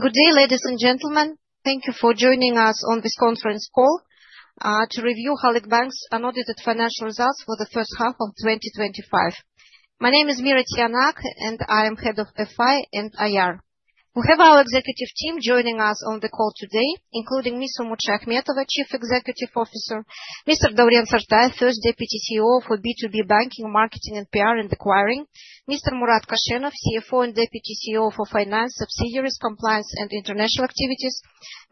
Good day, ladies and gentlemen. Thank you for joining us on this conference call to review Halyk Bank of Kazakhstan JSC's unaudited financial results for the first half of 2025. My name is Mira Tiyanak, and I am Head of FI and IR. We have our executive team joining us on the call today, including Ms. Umut Shayakhmetova, Chief Executive Officer, Mr. Daryan Sartai, First Deputy CEO for B2B Banking, Marketing, PR and Acquiring, Mr. Murat Koshenov, CFO and Deputy CEO for Finance, Subsidiaries, Compliance, and International Activities,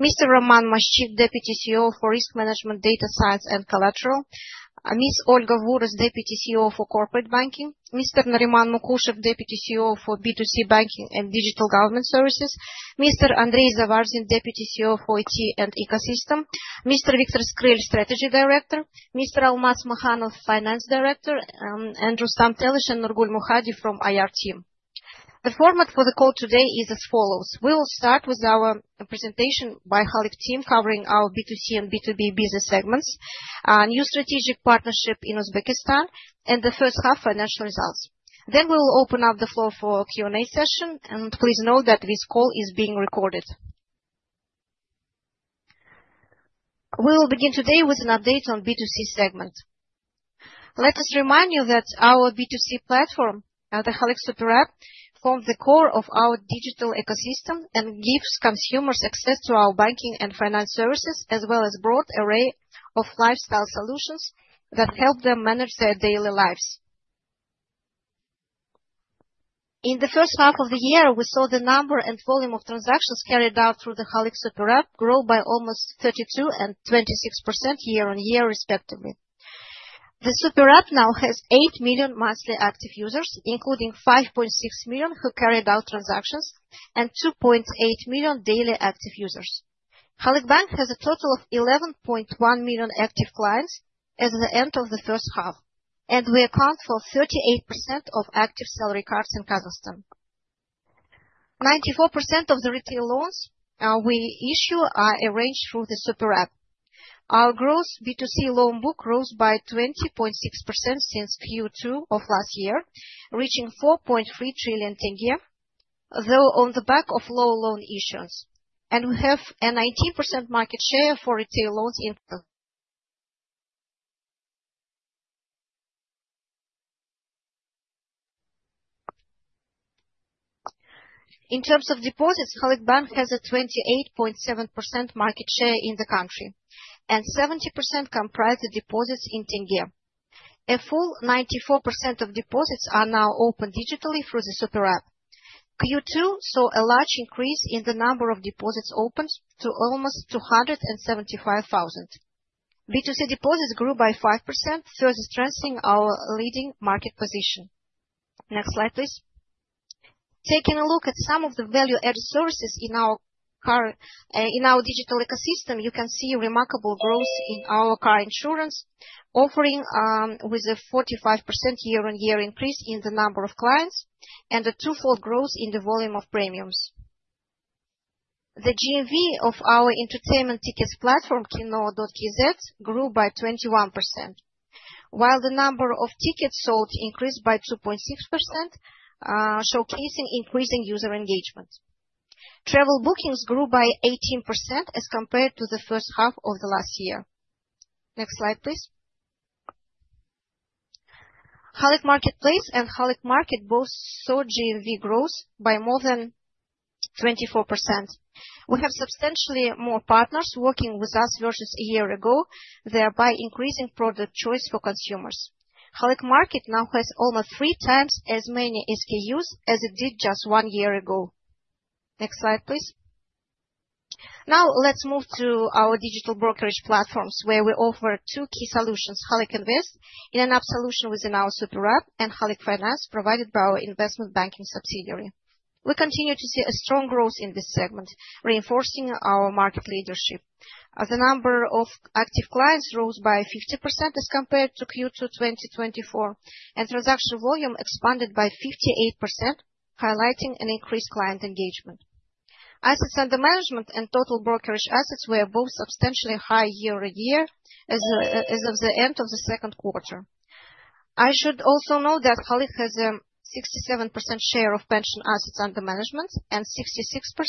Mr. Roman Maszczyk, Deputy CEO for Risk Management, Data Science, and Collateral, Ms. Olga Vouras, Deputy CEO for Corporate Banking, Mr. Nariman Mukhushef, Deputy CEO for B2C Banking and Digital Government Services, Mr. Andrey Zavarzin, Deputy CEO for IT and Ecosystem, Mr. Viktor Skryl, Strategy Director, Mr. Almas Makhanov, Finance Director, and Rustam Telish and Nurgul Mukhadi from the IR team. The format for the call today is as follows. We will start with our presentation by the Halyk team covering our B2C and B2B business segments, a new strategic partnership in Uzbekistan, and the first half financial results. We will open up the floor for a Q&A session, and please note that this call is being recorded. We will begin today with an update on the B2C segment. Let us remind you that our B2C platform, the Halyk SuperApp, forms the core of our digital ecosystem and gives consumers access to our banking and finance services, as well as a broad array of lifestyle solutions that help them manage their daily lives. In the first half of the year, we saw the number and volume of transactions carried out through the Halyk SuperApp grow by almost 32% and 26% year-on-year, respectively. The SuperApp now has 8 million monthly active users, including 5.6 million who carried out transactions and 2.8 million daily active users. Halyk Bank of Kazakhstan JSC has a total of 11.1 million active clients at the end of the first half, and we account for 38% of active salary cards in Kazakhstan. 94% of the retail loans we issue are arranged through the SuperApp. Our gross B2C loan book rose by 20.6% since Q2 of last year, reaching ₸4.3 trillion, though on the back of low loan issuance, and we have an 18% market share for retail loans in total. In terms of deposits, Halyk Bank of Kazakhstan JSC has a 28.7% market share in the country and 70% comprise the deposits in ₸. A full 94% of deposits are now open digitally through the SuperApp. Q2 saw a large increase in the number of deposits opened to almost 275,000. B2C deposits grew by 5%, further strengthening our leading market position. Next slide, please. Taking a look at some of the value-added services in our digital ecosystem, you can see remarkable growth in our car insurance offering with a 45% year-on-year increase in the number of clients and a twofold growth in the volume of premiums. The GMV of our entertainment tickets platform, Kino.kz, grew by 21%, while the number of tickets sold increased by 2.6%, showcasing increasing user engagement. Travel bookings grew by 18% as compared to the first half of the last year. Next slide, please. Halyk Marketplace and Halyk Market both saw GMV growth by more than 24%. We have substantially more partners working with us versus a year ago, thereby increasing product choice for consumers. Halyk Market now has almost three times as many SKUs as it did just one year ago. Next slide, please. Now, let's move to our digital brokerage platforms, where we offer two key solutions: Halyk Invest in an app solution within our SuperApp and Halyk Finance provided by our investment banking subsidiary. We continue to see a strong growth in this segment, reinforcing our market leadership. The number of active clients rose by 50% as compared to Q2 2024, and transaction volume expanded by 58%, highlighting an increased client engagement. Assets under management and total brokerage assets were both substantially high year-on-year as of the end of the second quarter. I should also note that Halyk has a 67% share of pension assets under management and 66%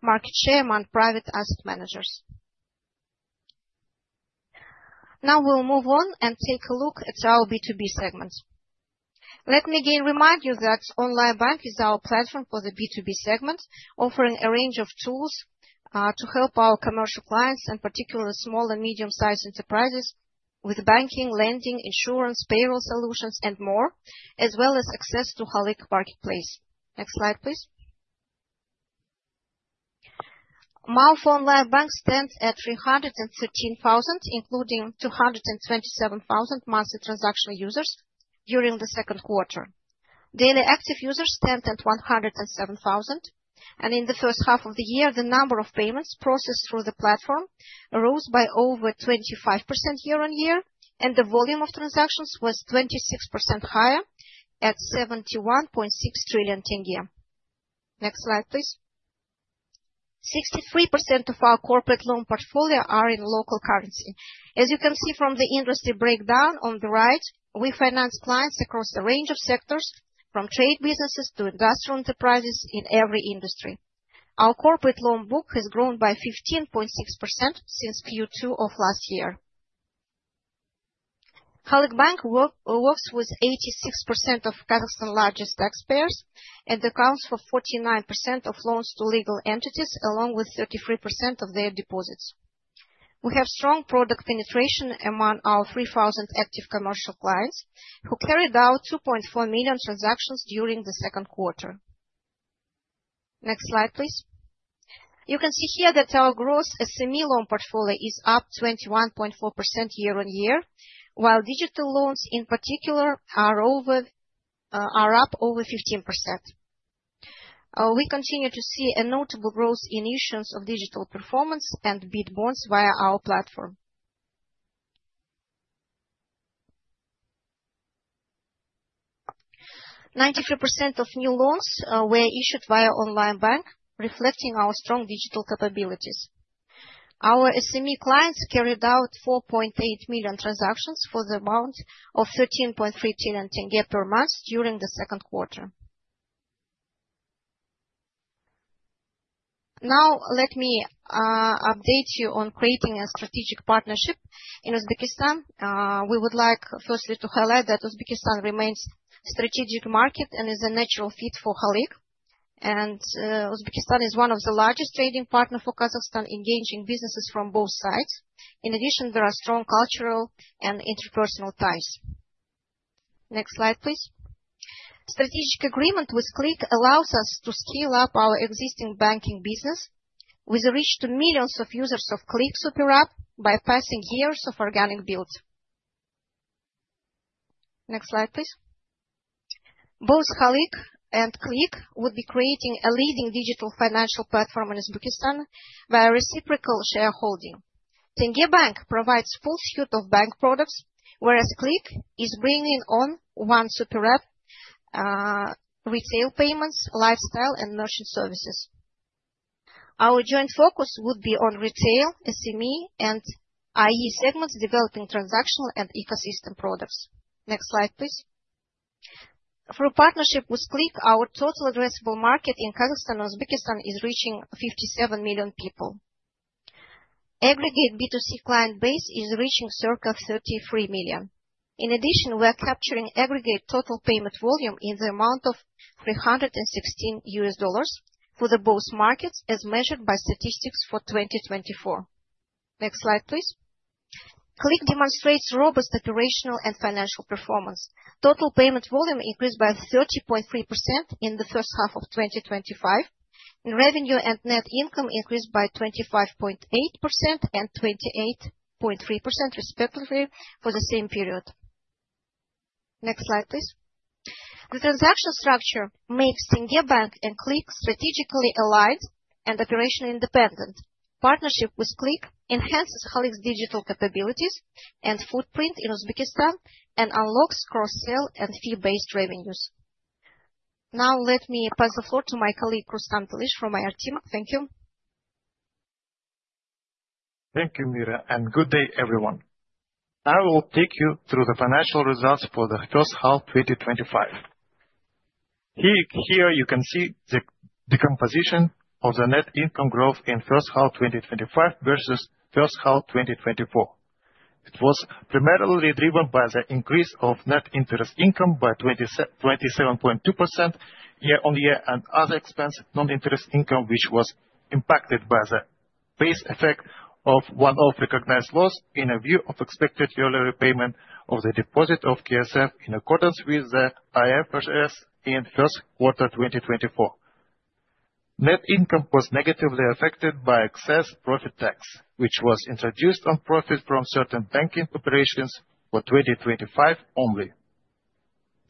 market share among private asset managers. Now, we will move on and take a look at our B2B segments. Let me again remind you that Online Bank is our platform for the B2B segment, offering a range of tools to help our commercial clients and particularly small and medium-sized enterprises with banking, lending, insurance, payroll solutions, and more, as well as access to Halyk Marketplace. Next slide, please. Monthly Online Bank stands at 313,000, including 227,000 monthly transactional users during the second quarter. Daily active users stand at 107,000, and in the first half of the year, the number of payments processed through the platform rose by over 25% year-on-year, and the volume of transactions was 26% higher at ₸71.6 trillion. Next slide, please. 63% of our corporate loan portfolio are in local currency. As you can see from the industry breakdown on the right, we finance clients across a range of sectors, from trade businesses to industrial enterprises in every industry. Our corporate loan book has grown by 15.6% since Q2 of last year. Halyk Bank works with 86% of Kazakhstan's largest taxpayers and accounts for 49% of loans to legal entities, along with 33% of their deposits. We have strong product penetration among our 3,000 active commercial clients who carried out 2.4 million transactions during the second quarter. Next slide, please. You can see here that our gross SME loan portfolio is up 21.4% year-on-year, while digital loans in particular are up over 15%. We continue to see a notable growth in issuance of digital performance and bid bonds via our platform. 92% of new loans were issued via B2B Online Bank, reflecting our strong digital capabilities. Our SME clients carried out 4.8 million transactions for the amount of ₸13.3 trillion per month during the second quarter. Now, let me update you on creating a strategic partnership in Uzbekistan. We would like firstly to highlight that Uzbekistan remains a strategic market and is a natural fit for Halyk, and Uzbekistan is one of the largest trading partners for Kazakhstan, engaging businesses from both sides. In addition, there are strong cultural and interpersonal ties. Next slide, please. Strategic agreement with Click allows us to scale up our existing banking business, with a reach to millions of users of Click SuperApp by passing years of organic build. Next slide, please. Both Halyk and Click would be creating a leading digital financial platform in Uzbekistan via reciprocal shareholding. tenge Bank provides a full suite of bank products, whereas Click is bringing on one SuperApp, retail payments, lifestyle, and nursing services. Our joint focus would be on retail, SME, and IE segments, developing transactional and ecosystem products. Next slide, please. Through partnership with Click, our total addressable market in Kazakhstan and Uzbekistan is reaching 57 million people. Aggregate B2C client base is reaching a circa 33 million. In addition, we are capturing aggregate total payment volume in the amount of $316 billion USD for the both markets, as measured by statistics for 2024. Next slide, please. Click demonstrates robust operational and financial performance. Total payment volume increased by 30.3% in the first half of 2025, and revenue and net income increased by 25.8% and 28.3%, respectively, for the same period. Next slide, please. The transaction structure makes tenge Bank and Click strategically aligned and operationally independent. Partnership with Click enhances Halyk's digital capabilities and footprint in Uzbekistan and unlocks cross-sell and fee-based revenues. Now, let me pass the floor to my colleague, Rustam Telish, from IR team. Thank you. Thank you, Mira, and good day, everyone. I will take you through the financial results for the first half 2025. Here you can see the composition of the net income growth in the first half 2025 versus the first half 2024. It was primarily driven by the increase of net interest income by 27.2% year-on-year and other expenses, non-interest income, which was impacted by the phase effect of one of the recognized laws in a view of expected yearly repayment of the deposit of TSM in accordance with the IR process in the first quarter of 2024. Net income was negatively affected by excess profit tax, which was introduced on profits from certain banking operations for 2025 only.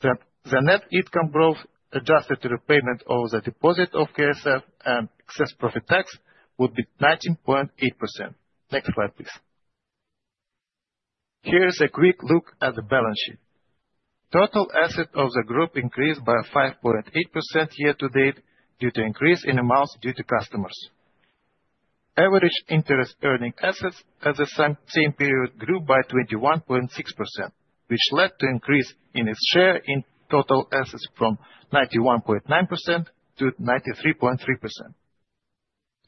The net income growth adjusted to the repayment of the deposit of TSM and excess profit tax would be 19.8%. Next slide, please. Here's a quick look at the balance sheet. Total assets of the group increased by 5.8% year to date due to increase in amounts due to customers. Average interest earning assets at the same period grew by 21.6%, which led to an increase in its share in total assets from 91.9% to 93.3%.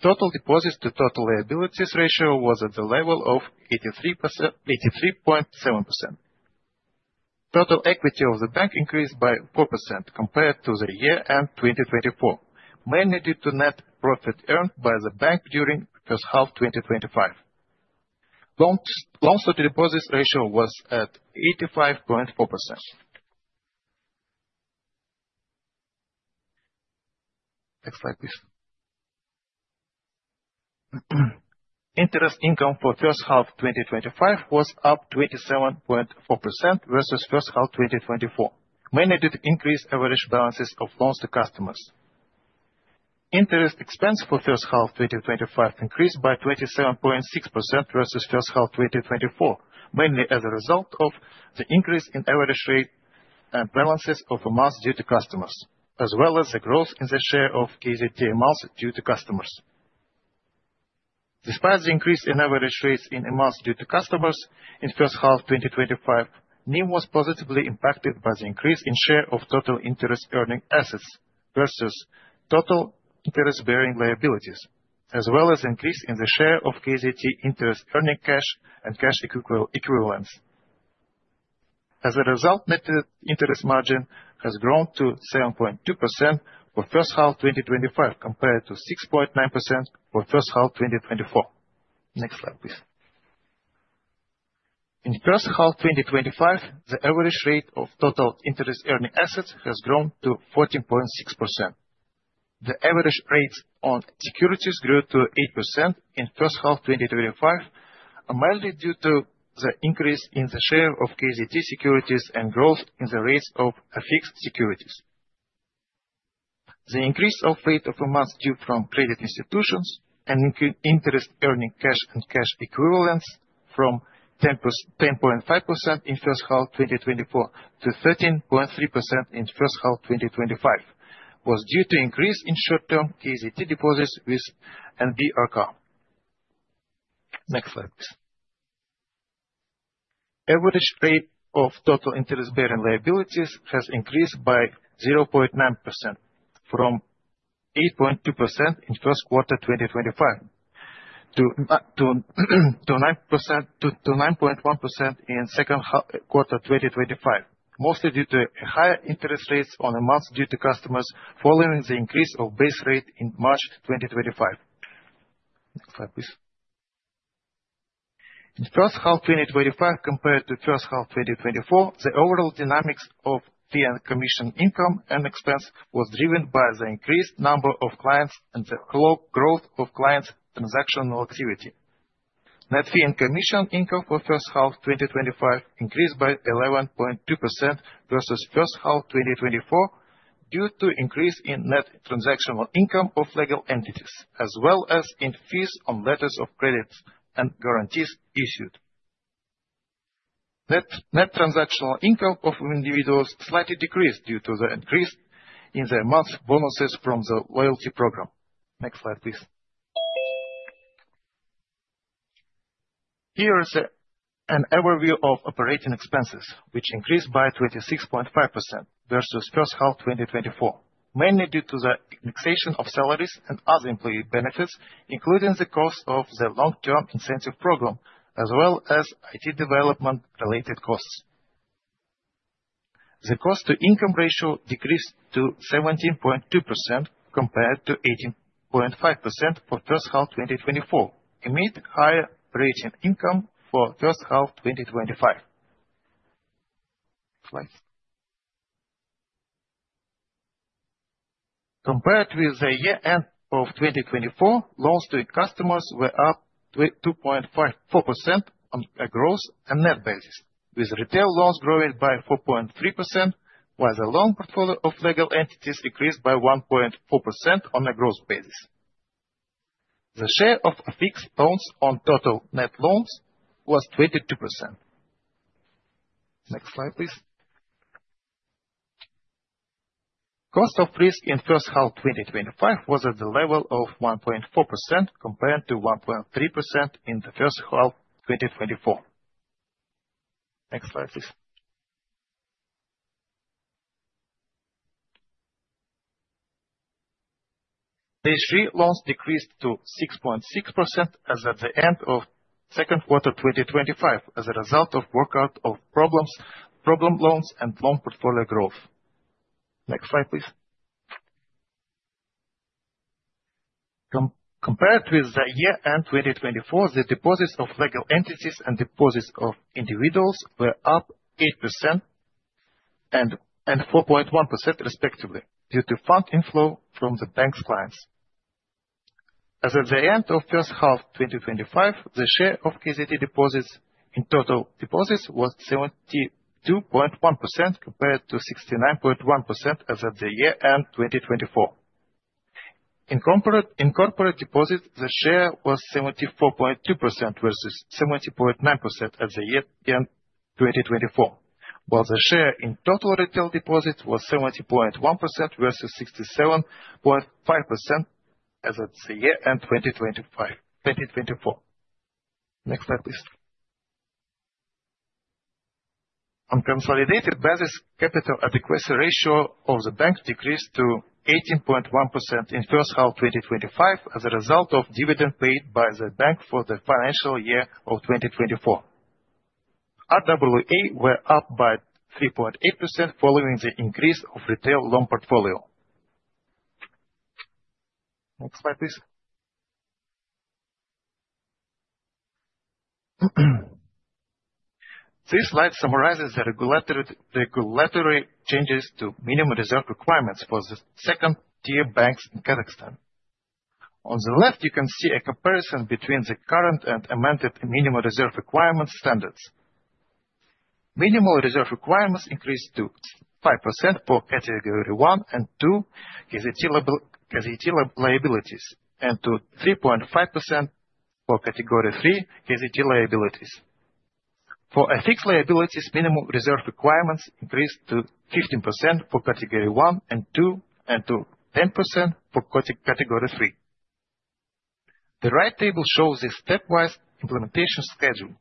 Total deposits to total liabilities ratio was at the level of 83.7%. Total equity of the bank increased by 4% compared to the year end 2024, mainly due to net profit earned by the bank during the first half of 2025. Loans to deposits ratio was at 85.4%. Next slide, please. Interest income for the first half of 2025 was up 27.4% versus the first half of 2024, mainly due to increased average balances of loans to customers. Interest expense for the first half of 2025 increased by 27.6% versus the first half of 2024, mainly as a result of the increase in average rate and balances of amounts due to customers, as well as the growth in the share of TZT amounts due to customers. Despite the increase in average rates in amounts due to customers in the first half of 2025, NIM was positively impacted by the increase in share of total interest earning assets versus total interest-bearing liabilities, as well as an increase in the share of TZT interest earning cash and cash equivalents. As a result, net interest margin has grown to 7.2% for the first half of 2025 compared to 6.9% for the first half of 2024. Next slide, please. In the first half of 2025, the average rate of total interest earning assets has grown to 14.6%. The average rates on securities grew to 8% in the first half of 2025, mainly due to the increase in the share of TZT securities and growth in the rates of fixed securities. The increase of rate of amounts due from credit institutions and interest-earning cash and cash equivalents from 10.5% in the first half of 2024 to 13.3% in the first half of 2025 was due to an increase in short-term TZT deposits with NBRK. Next slide, please. Average rate of total interest-bearing liabilities has increased by 0.9% from 8.2% in the first quarter of 2025 to 9.1% in the second quarter of 2025, mostly due to higher interest rates on amounts due to customers following the increase of base rate in March 2025. Next slide, please. In the first half of 2025 compared to the first half of 2024, the overall dynamics of fee and commission income and expense was driven by the increased number of clients and the growth of clients' transactional activity. Net fee and commission income for the first half of 2025 increased by 11.2% versus the first half of 2024 due to an increase in net transactional income of legal entities, as well as in fees on letters of credits and guarantees issued. Net transactional income of individuals slightly decreased due to the increase in the amounts of bonuses from the loyalty program. Next slide, please. Here's an overview of operating expenses, which increased by 26.5% versus the first half of 2024, mainly due to the fixation of salaries and other employee benefits, including the cost of the long-term incentive program, as well as IT development-related costs. The cost-to-income ratio decreased to 17.2% compared to 18.5% for the first half of 2024, amid higher rate income for the first half of 2025. Next slide, please. Compared with the year end of 2024, loans to customers were up 2.54% on a gross and net basis, with retail loans growing by 4.3%, while the loan portfolio of legal entities increased by 1.4% on a gross basis. The share of fixed loans on total net loans was 22%. Next slide, please. Cost of risk in the first half of 2025 was at the level of 1.4% compared to 1.3% in the first half of 2024. Next slide, please. TSG loans decreased to 6.6% at the end of the second quarter of 2025 as a result of the work-out of problem loans and loan portfolio growth. Next slide, please. Compared with the year end 2024, the deposits of legal entities and deposits of individuals were up 8% and 4.1%, respectively, due to fund inflow from the bank's clients. At the end of the first half of 2025, the share of TZT deposits in total deposits was 72.1% compared to 69.1% as of the year end 2024. In corporate deposits, the share was 74.2% versus 70.9% at the year end 2024, while the share in total retail deposits was 70.1% versus 67.5% at the year end 2024. Next slide, please. On consolidated basis, capital adequacy ratio of the bank decreased to 18.1% in the first half of 2025 as a result of dividends paid by the bank for the financial year of 2024. RWA were up by 3.8% following the increase of retail loan portfolio. Next slide, please. This slide summarizes the regulatory changes to minimum reserve requirements for the second-tier banks in Kazakhstan. On the left, you can see a comparison between the current and amended minimum reserve requirements standards. Minimum reserve requirements increased to 5% for Category 1 and 2 TZT liabilities and to 3.5% for Category 3 TZT liabilities. For fixed liabilities, minimum reserve requirements increased to 15% for Category 1 and 2 and to 10% for Category 3. The right table shows the stepwise implementation schedule.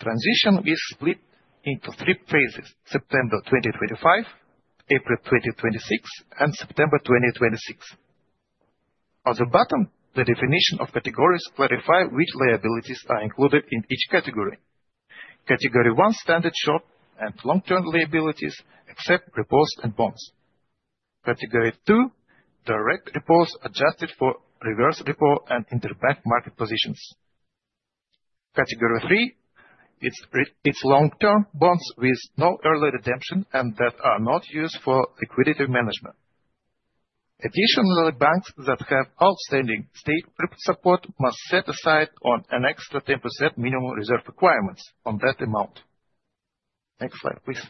Transition is split into three phases: September 2025, April 2026, and September 2026. On the bottom, the definition of categories clarifies which liabilities are included in each category. Category 1 standard short and long-term liabilities except repos and bonds. Category 2 direct repos adjusted for reverse repo and interbank market positions. Category 3 is long-term bonds with no early redemption and that are not used for liquidity management. Additionally, banks that have outstanding state prep support must set aside an extra 10% minimum reserve requirements on that amount. Next slide, please.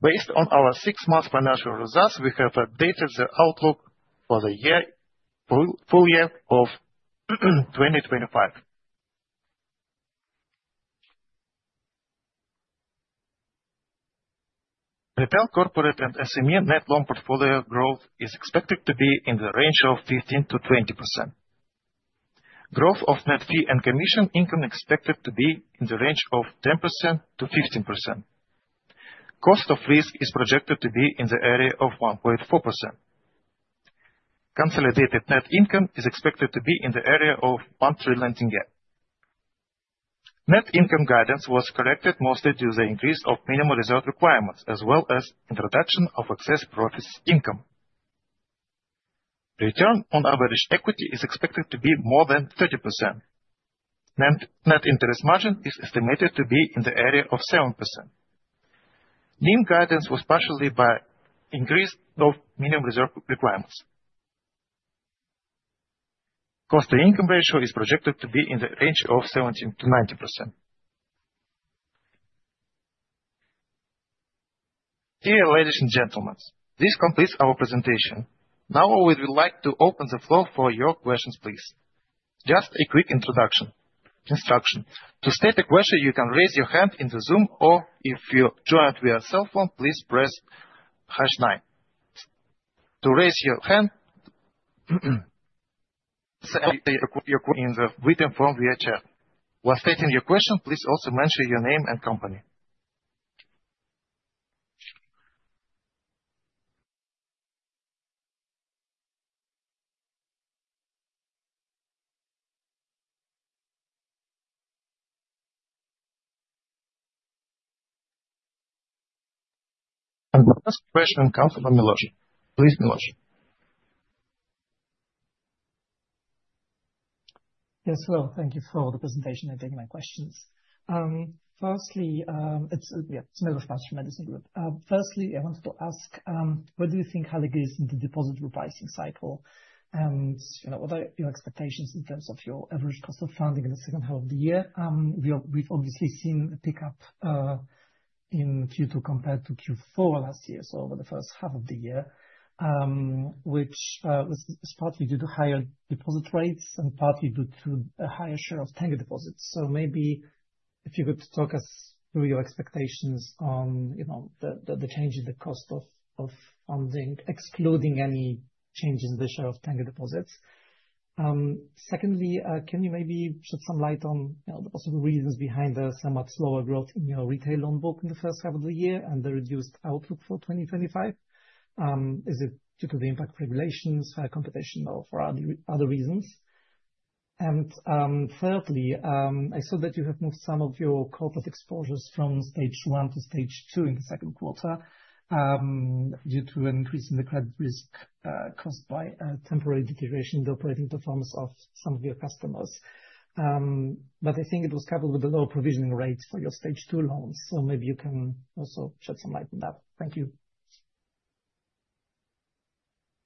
Based on our six-month financial results, we have updated the outlook for the full year of 2025. Retail, corporate, and SME net loan portfolio growth is expected to be in the range of 15%-20%. Growth of net fee and commission income is expected to be in the range of 10%-15%. Cost of risk is projected to be in the area of 1.4%. Consolidated net income is expected to be in the area of ₸1 trillion. Net income guidance was corrected mostly due to the increase of minimum reserve requirements, as well as the introduction of excess profits income. Return on average equity is expected to be more than 30%. Net interest margin is estimated to be in the area of 7%. NIM guidance was partially by increase of minimum reserve requirements. Cost-to-income ratio is projected to be in the range of 17% to 19%. Dear ladies and gentlemen, this completes our presentation. Now, we would like to open the floor for your questions, please. Just a quick introduction. To state a question, you can raise your hand in Zoom, or if you joined via cell phone, please press #9. To raise your hand, say your question in written form via chat. While stating your question, please also mention your name and company. I will ask questions coming from Milosz. Please, Milosz. Yes, hello. Thank you for the presentation. I take my questions. Firstly, it's Milosz from Edison Group. Firstly, I wanted to ask, what do you think Halyk is in the deposit revising cycle? And you know, what are your expectations in terms of your average cost of funding in the second half of the year? We've obviously seen a pickup in Q2 compared to Q4 last year, so over the first half of the year, which is partly due to higher deposit rates and partly due to a higher share of tenured deposits. Maybe if you could talk us through your expectations on the change in the cost of funding, excluding any change in the share of tenured deposits. Secondly, can you maybe shed some light on the possible reasons behind the somewhat slower growth in your retail loan book in the first half of the year and the reduced outlook for 2025? Is it due to the impact of regulations, higher competition, or for other reasons? Thirdly, I saw that you have moved some of your corporate exposures from stage one to stage two in the second quarter due to an increase in the credit risk caused by a temporary deterioration in the operating performance of some of your customers. I think it was coupled with a lower provisioning rate for your stage two loans. Maybe you can also shed some light on that. Thank you.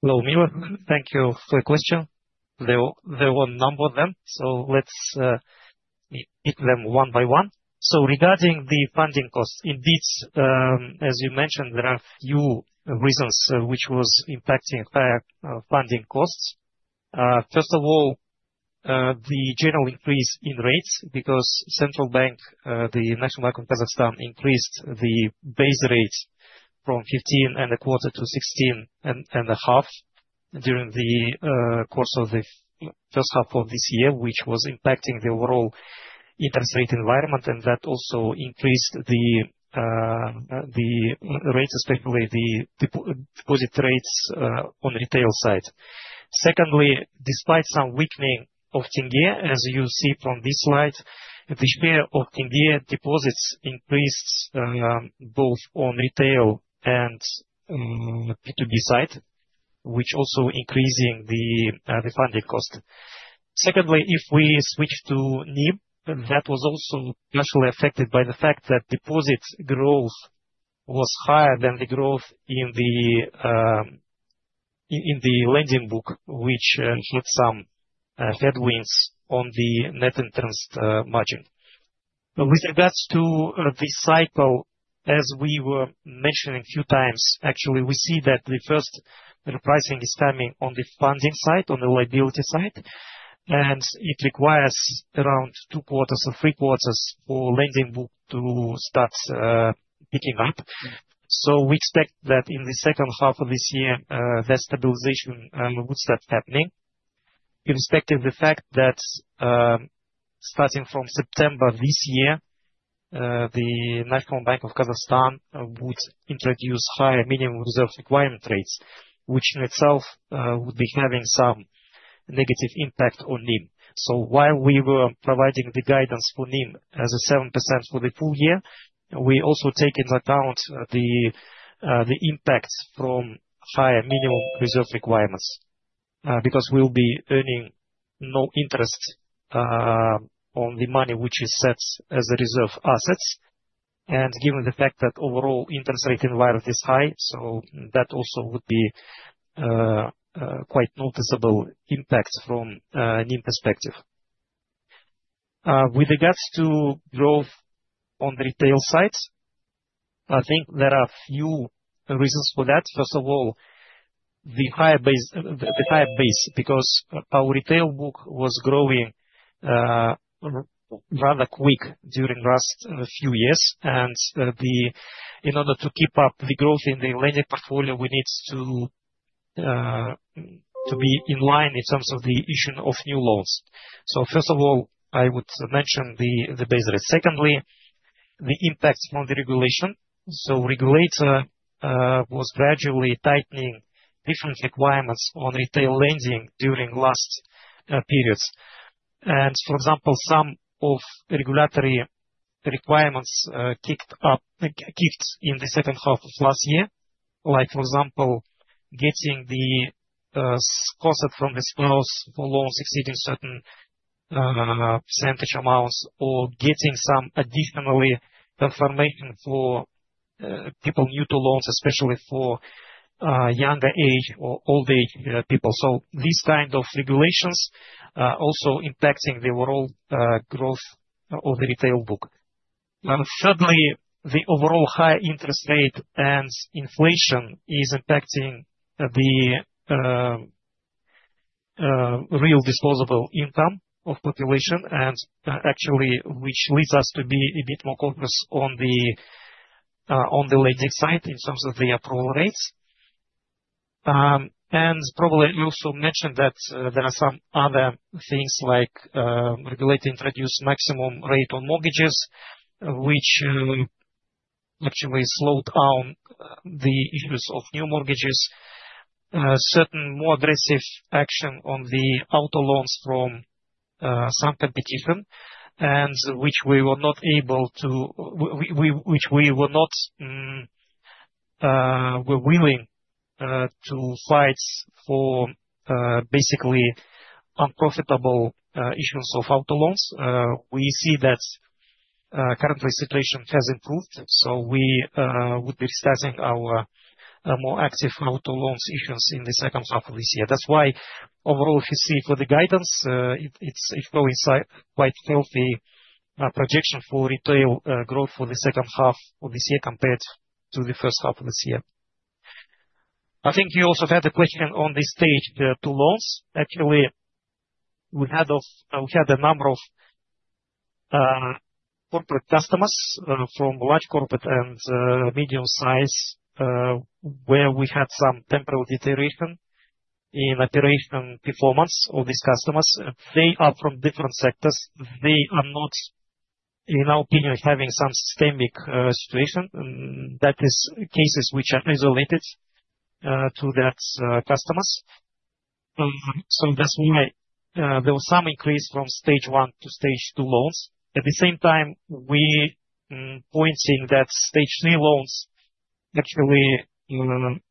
Hello, Mira. Thank you for the question. There were a number of them, so let's hit them one by one. Regarding the funding costs, as you mentioned, there are a few reasons which were impacting higher funding costs. First of all, the general increase in rates because the Central Bank, the National Bank of Kazakhstan, increased the base rate from 15.25% to 16.5% during the course of the first half of this year, which was impacting the overall interest rate environment. That also increased the rates, especially the deposit rates on the retail side. Secondly, despite some weakening of tenge, as you see from this slide, the share of tenge deposits increased, both on the retail and B2B side, which also increased the funding cost. If we switch to NIM, that was also partially affected by the fact that deposits growth was higher than the growth in the lending book, which had some headwinds on the net interest margin. With regards to this cycle, as we were mentioning a few times, actually, we see that the first repricing is coming on the funding side, on the liability side, and it requires around two quarters or three quarters for the lending book to start picking up. We expect that in the second half of this year, that stabilization would start happening, irrespective of the fact that, starting from September this year, the National Bank of Kazakhstan would introduce higher minimum reserve requirement rates, which in itself would be having some negative impact on NIM. While we were providing the guidance for NIM as a 7% for the full year, we also take into account the impacts from higher minimum reserve requirements, because we'll be earning no interest on the money which is set as a reserve asset. Given the fact that the overall interest rate environment is high, that also would be quite noticeable impacts from NIM perspective. With regards to growth on the retail side, I think there are a few reasons for that. First of all, the higher base, the higher base because our retail book was growing rather quickly during the last few years. In order to keep up the growth in the lending portfolio, we need to be in line in terms of the issuance of new loans. First of all, I would mention the base rate. Secondly, the impacts from the regulation. Regulation was gradually tightening different requirements on retail lending during the last periods. For example, some of the regulatory requirements kicked up in the second half of last year, like, for example, getting the costs from the spouse for loans exceeding certain % amounts or getting some additional information for people new to loans, especially for younger age or older age people. These kinds of regulations are also impacting the overall growth of the retail book. Thirdly, the overall higher interest rate and inflation is impacting the real disposable income of the population, which leads us to be a bit more cautious on the lending side in terms of the approval rates. We also mentioned that there are some other things like regulating reduced maximum rate on mortgages, which actually slowed down the use of new mortgages, certain more aggressive action on the auto loans from some competition, which we were not willing to fight for, basically unprofitable issues of auto loans. We see that currently the situation has improved. We would be starting our more active auto loans issues in the second half of this year. That's why overall, if you see for the guidance, it's showing quite a healthy projection for retail growth for the second half of this year compared to the first half of this year. I think you also had a question on the stage two loans. Actually, we had a number of corporate customers, from large corporate and medium-sized, where we had some temporal deterioration in operation performance of these customers. They are from different sectors. They are not, in our opinion, having some systemic situation. That is cases which are isolated to that customers. That's why there was some increase from stage one to stage two loans. At the same time, we pointed that stage three loans actually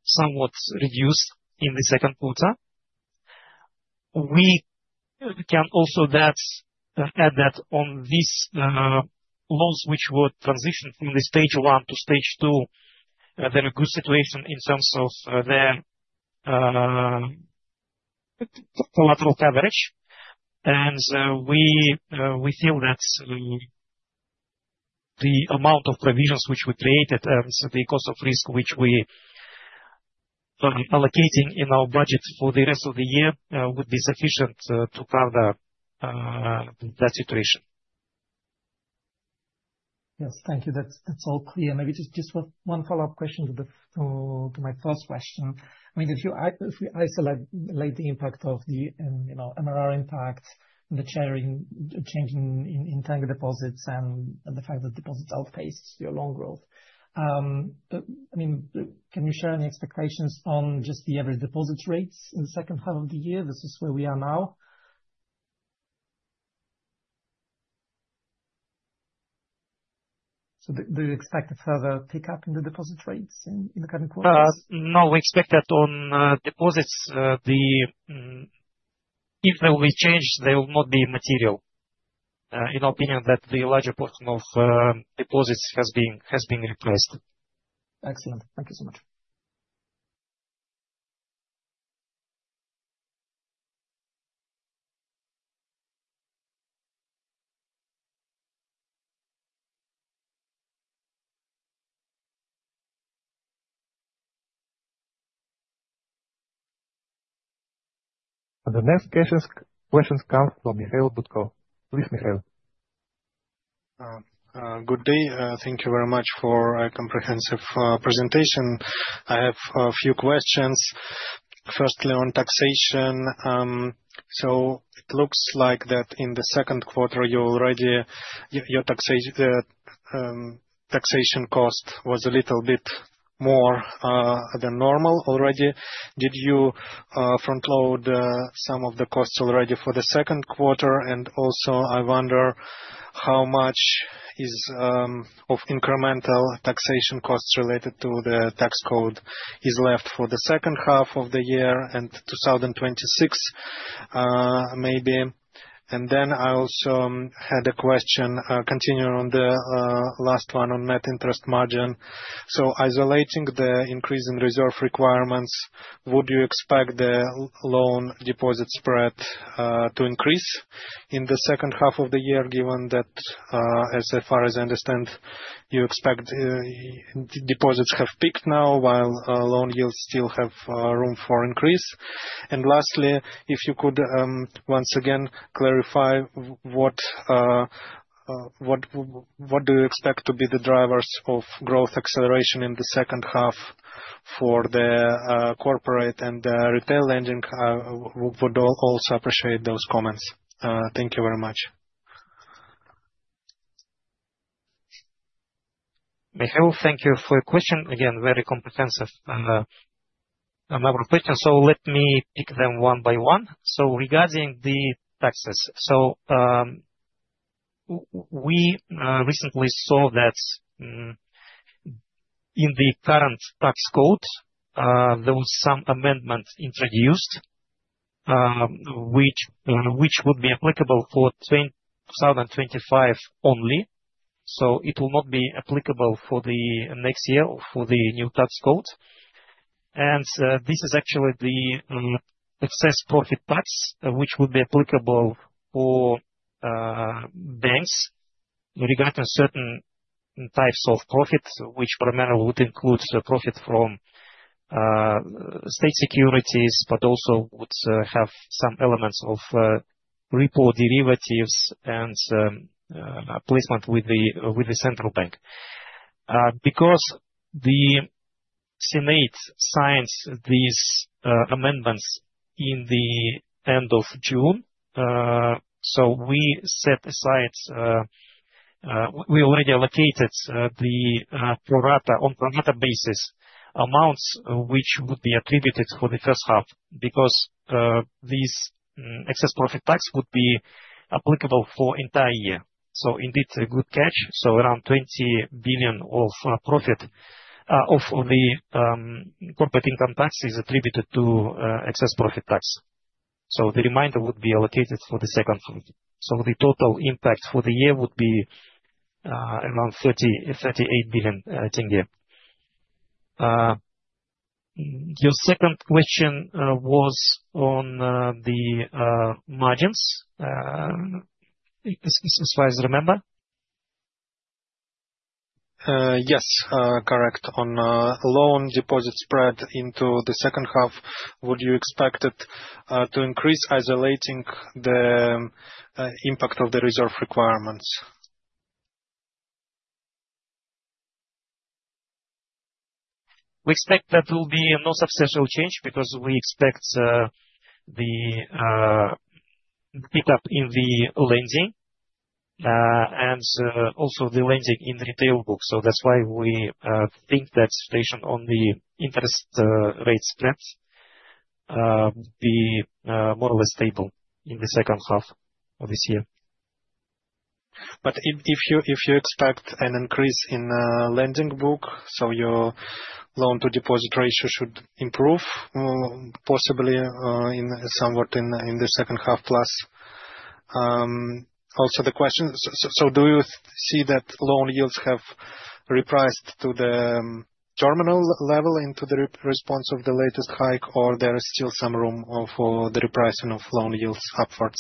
somewhat reduced in the second quarter. We can also add that on these loans which were transitioned from the stage one to stage two, there is a good situation in terms of their collateral coverage. We feel that the amount of provisions which we created and the cost of risk which we are allocating in our budgets for the rest of the year would be sufficient to further that situation. Yes, thank you. That's all clear. Maybe just one follow-up question to my first question. I mean, if you isolate the impact of the, you know, minimum reserve requirements impacts and the change in tenure deposits and the fact that deposits outpace your loan growth, can you share any expectations on just the average deposit rates in the second half of the year? This is where we are now. Do you expect a further pickup in the deposit rates in the current quarter? No, we expect that on deposits, if there will be change, it will not be material. In our opinion, the larger portion of deposits has been repressed. Excellent. Thank you so much. The next questions come from Mikhail Butkov. Please, Mikhail. Good day. Thank you very much for a comprehensive presentation. I have a few questions. Firstly, on taxation. It looks like that in the second quarter, your taxation cost was a little bit more than normal already. Did you frontload some of the costs already for the second quarter? I wonder how much of incremental taxation costs related to the tax code is left for the second half of the year and 2026, maybe? I also had a question continuing on the last one on net interest margin. Isolating the increase in reserve requirements, would you expect the loan-to-deposit spread to increase in the second half of the year, given that, as far as I understand, you expect deposits have peaked now, while loan yields still have room for increase? Lastly, if you could once again clarify what you expect to be the drivers of growth acceleration in the second half for the corporate and the retail lending, we would also appreciate those comments. Thank you very much. Michael, thank you for your question. Again, very comprehensive number of questions. Let me pick them one by one. Regarding the taxes, we recently saw that in the current tax code, there was some amendment introduced, which would be applicable for 2025 only. It will not be applicable for the next year or for the new tax code. This is actually the excess profit tax, which would be applicable for banks regarding certain types of profits, which primarily would include profits from state securities, but also would have some elements of repo derivatives and placement with the central bank. Because the Senate signed these amendments in the end of June, we set aside, we already allocated the pro rata on pro rata basis amounts which would be attributed for the first half because this excess profit tax would be applicable for the entire year. Indeed, a good catch. Around ₸20 billion of profit of the corporate income tax is attributed to excess profit tax. The remainder would be allocated for the second half. The total impact for the year would be around ₸38 billion. Your second question was on the margins. Is this what I remember? Yes, correct. On loan deposit spread into the second half, would you expect it to increase, isolating the impact of the reserve requirements? We expect that there will be no substantial change because we expect the pickup in the lending and also the lending in the retail book. That's why we think that situation on the interest rate splits will be more or less stable in the second half of this year. If you expect an increase in lending book, your loan-to-deposit ratio should improve, possibly somewhat in the second half plus. Also, the question, do you see that loan yields have repriced to the terminal level in response to the latest hike, or is there still some room for the repricing of loan yields upwards?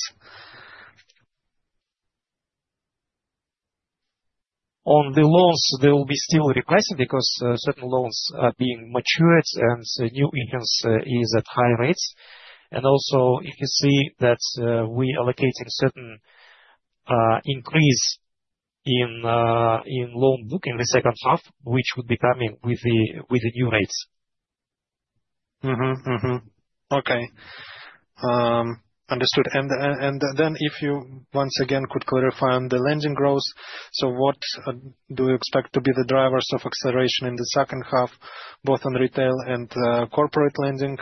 On the loans, there will be still repricing because certain loans are being matured and new issues are at high rates. If you see that we are allocating a certain increase in loan book in the second half, which would be coming with the new rates. Okay. Understood. If you once again could clarify on the lending growth, what do you expect to be the drivers of acceleration in the second half, both on retail and corporate lending?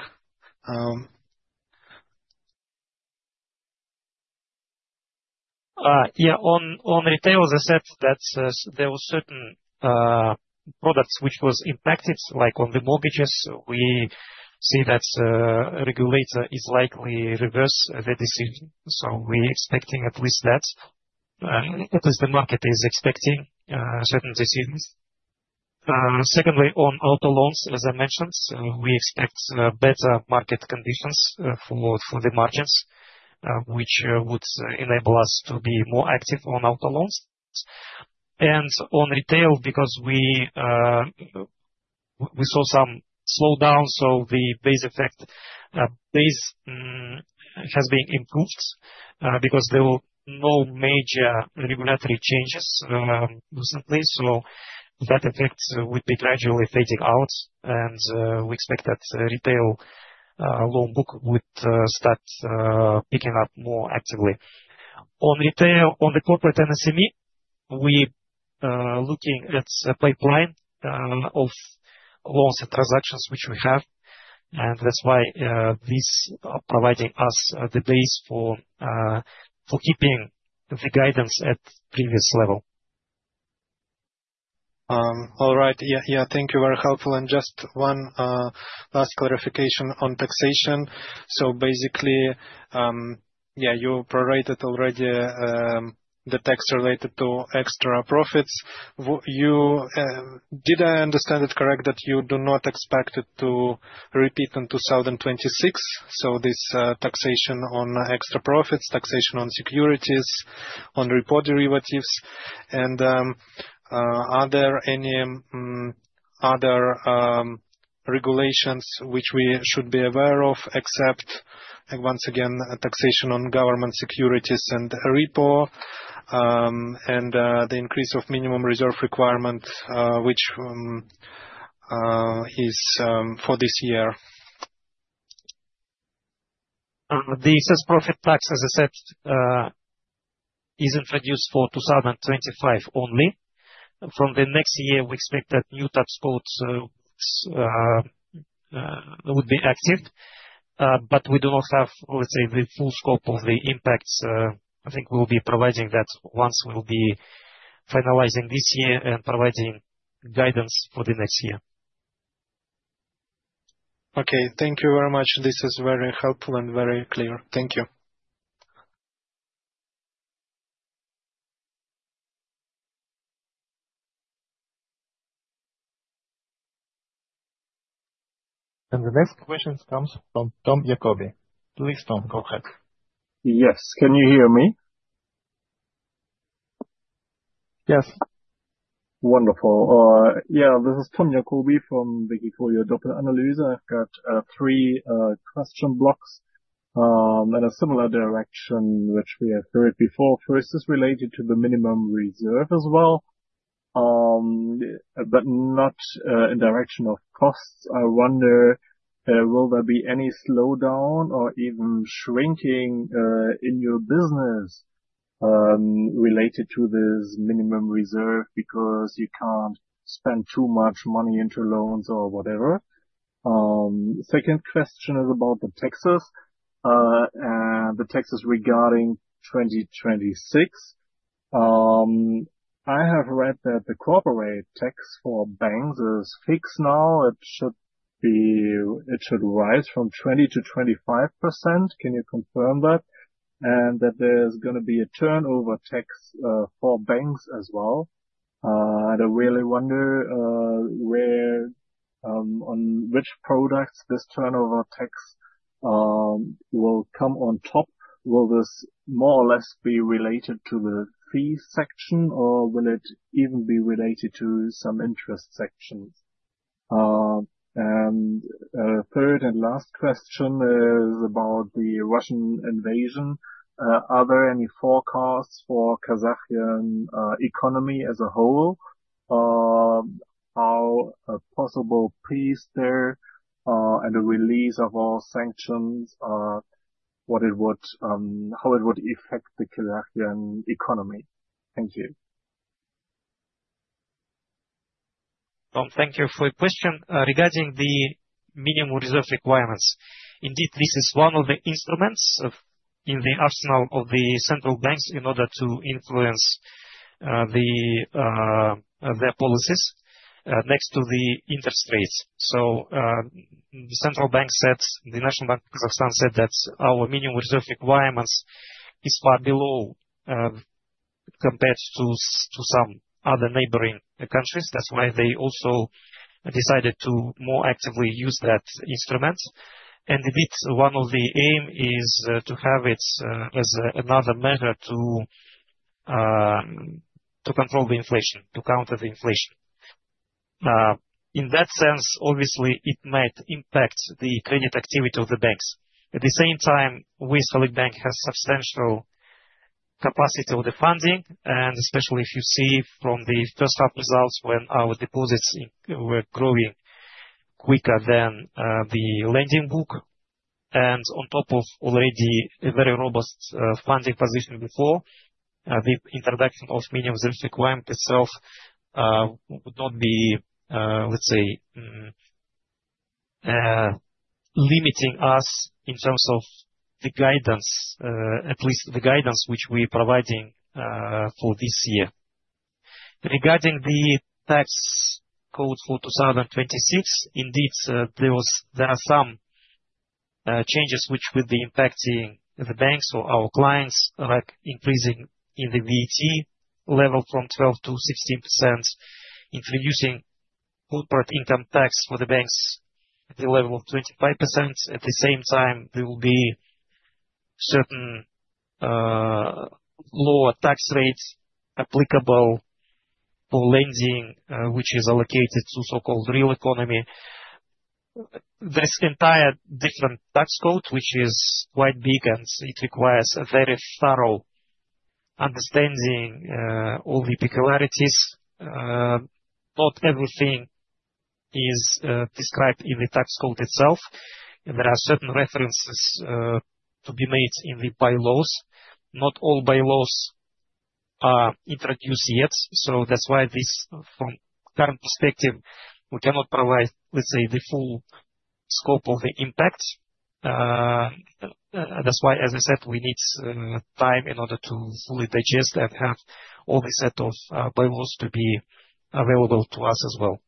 Yeah. On retail, as I said, there were certain products which were impacted, like on the mortgages. We see that the regulator is likely to reverse the decision. We're expecting at least that. At least the market is expecting certain decisions. Secondly, on auto loans, as I mentioned, we expect better market conditions for the margins, which would enable us to be more active on auto loans. On retail, because we saw some slowdown, the base effect has been improved because there were no major regulatory changes in place. That effect would be gradually fading out. We expect that retail loan book would start picking up more actively. On retail, on the corporate and SME, we are looking at a pipeline of loans and transactions which we have. That's why these are providing us the base for keeping the guidance at the previous level. All right. Thank you. Very helpful. Just one last clarification on taxation. Basically, you prorated already the tax related to extra profits. Did I understand it correctly that you do not expect it to repeat in 2026? This taxation on extra profits, taxation on securities, on repo derivatives. Are there any other regulations which we should be aware of, except, once again, taxation on government securities and repo, and the increase of minimum reserve requirement, which is for this year? The excess profit tax, as I said, is introduced for 2025 only. From next year, we expect that new tax codes would be active. We do not have, let's say, the full scope of the impacts. I think we will be providing that once we will be finalizing this year and providing guidance for next year. Okay, thank you very much. This is very helpful and very clear. Thank you. The next question comes from Tom Jakobi. Please, Tom, go ahead. Yes, can you hear me? Yes. Wonderful. Yeah, this is Tom Jakobi from the Wikifolio Doppel Analyse. I've got three question blocks in a similar direction which we have heard before. First is related to the minimum reserve as well, but not in the direction of costs. I wonder, will there be any slowdown or even shrinking in your business related to this minimum reserve because you can't spend too much money into loans or whatever? Second question is about the taxes and the taxes regarding 2026. I have read that the corporate tax for banks is fixed now. It should rise from 20% to 25%. Can you confirm that? And that there's going to be a turnover tax for banks as well. I really wonder where on which products this turnover tax will come on top. Will this more or less be related to the fee section, or will it even be related to some interest sections? Third and last question is about the Russian invasion. Are there any forecasts for Kazakhstan's economy as a whole? Are possible peace there and the release of all sanctions? What it would, how it would affect the Kazakhstan economy? Thank you. Tom, thank you for your question. Regarding the minimum reserve requirements, indeed, this is one of the instruments in the arsenal of the central banks in order to influence their policies next to the interest rates. The National Bank of Kazakhstan said that our minimum reserve requirements are far below compared to some other neighboring countries. That's why they also decided to more actively use that instrument. Indeed, one of the aims is to have it as another measure to control the inflation, to counter the inflation. In that sense, obviously, it might impact the credit activity of the banks. At the same time, we feel the bank has substantial capacity of the funding, and especially if you see from the first half results when our deposits were growing quicker than the lending book. On top of already a very robust funding position before, the introduction of minimum reserve requirements itself would not be, let's say, limiting us in terms of the guidance, at least the guidance which we're providing for this year. Regarding the tax code for 2026, indeed, there are some changes which will be impacting the banks or our clients, like increasing in the VAT level from 12% to 16%, introducing corporate income tax for the banks at the level of 25%. At the same time, there will be certain lower tax rates applicable for lending, which is allocated to so-called real economy. That's an entirely different tax code, which is quite big, and it requires a very thorough understanding of all the peculiarities. Not everything is described in the tax code itself. There are certain references to be made in the bylaws. Not all bylaws are introduced yet. From a current perspective, we cannot provide, let's say, the full scope of the impact. As I said, we need time in order to fully digest and have all these set of bylaws to be available to us as well.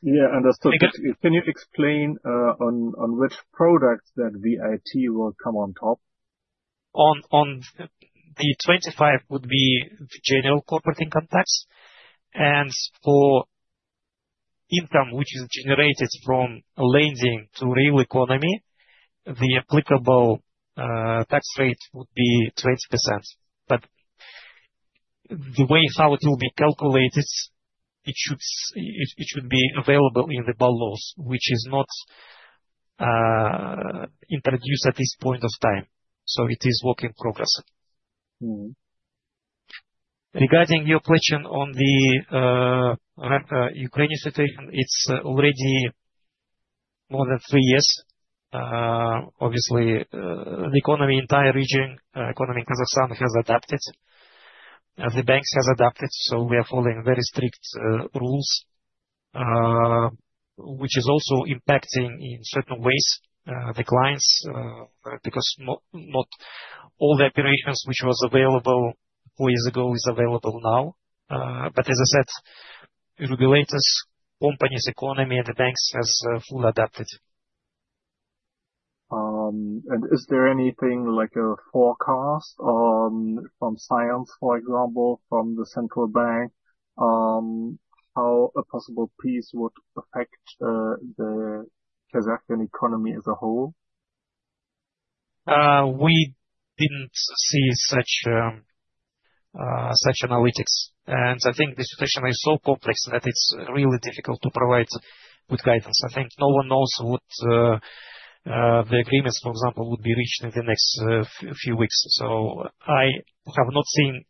Yeah, understood. Can you explain on which products that VAT will come on top? The 25% would be the general corporate income tax. For income which is generated from lending to real economy, the applicable tax rate would be 20%. The way how it will be calculated should be available in the bylaws, which is not introduced at this point of time. It is a work in progress. Regarding your question on the Ukrainian situation, it's already more than three years. Obviously, the economy in the entire region, the economy in Kazakhstan has adapted. The banks have adapted. We are following very strict rules, which is also impacting in certain ways the clients because not all the operations which were available four years ago are available now. As I said, the regulators, companies, economy, and the banks have fully adapted. Is there anything like a forecast on science, for example, from the Central Bank, how a possible peace would affect the Kazakhstan economy as a whole? We didn't see such analytics. I think the situation is so complex that it's really difficult to provide with guidance. I think no one knows what the agreements, for example, would be reached in the next few weeks. I have not seen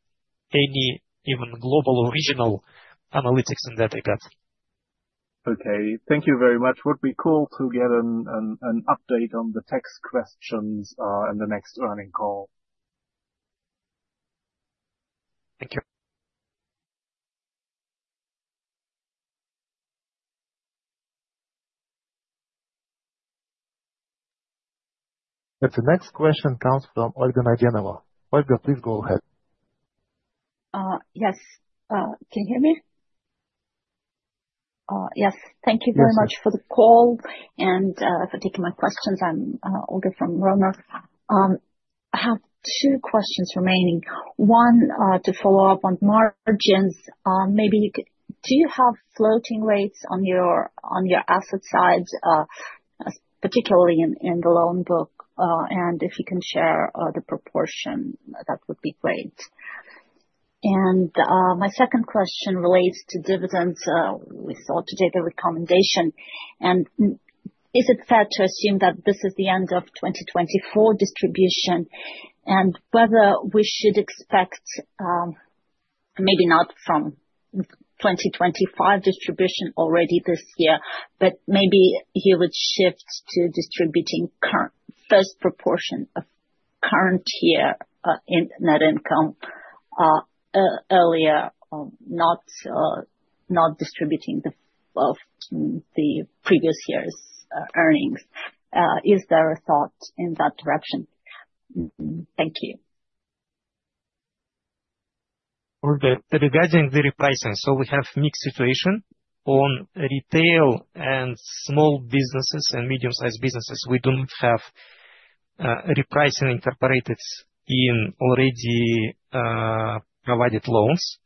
any even global or regional analytics in that regard. Okay. Thank you very much. It would be cool to get an update on the tax questions in the next running call. Thank you. The next question comes from Olga Naidenova. Olga, please go ahead. Yes. Can you hear me? Yes. Thank you very much for the call and for taking my questions. I'm Olga from Roemer. I have two questions remaining. One, to follow up on margins. Maybe do you have floating rates on your asset side, particularly in the loan book? If you can share the proportion, that would be great. My second question relates to dividends. We saw today the recommendation. Is it fair to assume that this is the end of 2024 distribution and whether we should expect maybe not from 2025 distribution already this year, but maybe you would shift to distributing the first proportion of current year in net income earlier, not distributing the previous year's earnings? Is there a thought in that direction? Thank you. Regarding the repricing, we have a mixed situation on retail and small businesses and medium-sized businesses. We do not have repricing incorporated in already provided loans.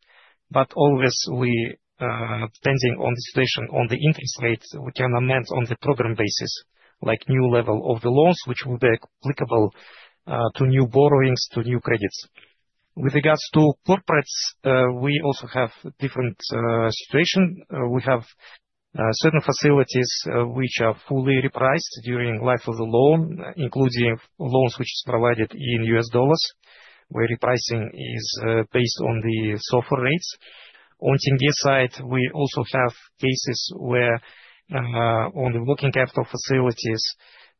Depending on the situation on the interest rates, we can amend on the program basis, like new level of the loans, which would be applicable through new borrowings to new credits. With regards to corporates, we also have a different situation. We have certain facilities which are fully repriced during the life of the loan, including loans which are provided in US dollars, where repricing is based on the software rates. On the tenge side, we also have cases where on the working capital facilities,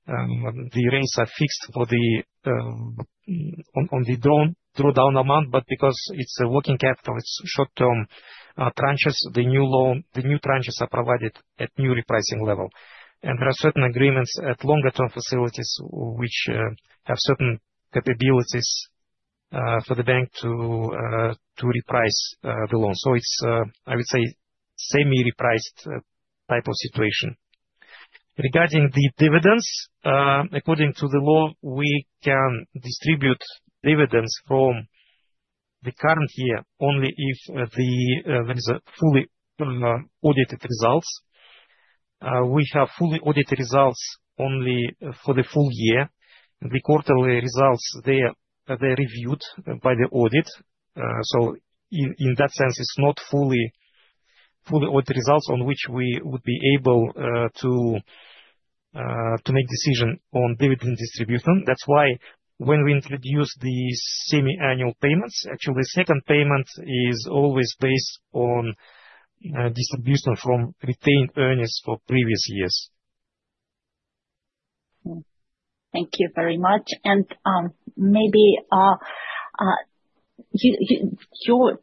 the rates are fixed for the drawdown amount. Because it's a working capital, it's short-term tranches, the new loan, the new tranches are provided at new repricing level. There are certain agreements at longer-term facilities which have certain capabilities for the bank to reprice the loan. I would say, it's a semi-repriced type of situation. Regarding the dividends, according to the law, we can distribute dividends from the current year only if there are fully audited results. We have fully audited results only for the full year. The quarterly results, they are reviewed by the audit. In that sense, it's not fully audited results on which we would be able to make a decision on dividend distribution. That's why when we introduce the semi-annual payments, actually, the second payment is always based on distribution from retained earnings for previous years. Thank you very much. Maybe your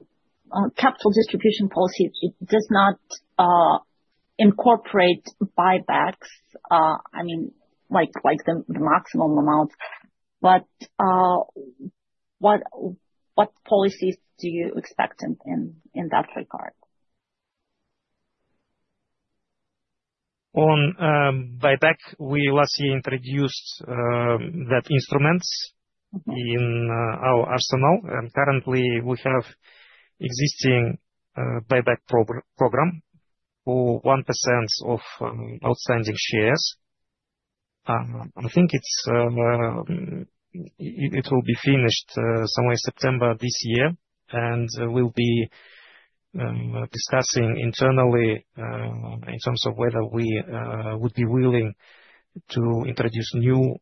capital distribution policy does not incorporate buybacks, I mean, like the maximum amount. What policies do you expect in that regard? On buybacks, we last year introduced that instrument in our arsenal. Currently, we have an existing buyback program for 1% of outstanding shares. I think it will be finished somewhere in September this year. We'll be discussing internally in terms of whether we would be willing to introduce a new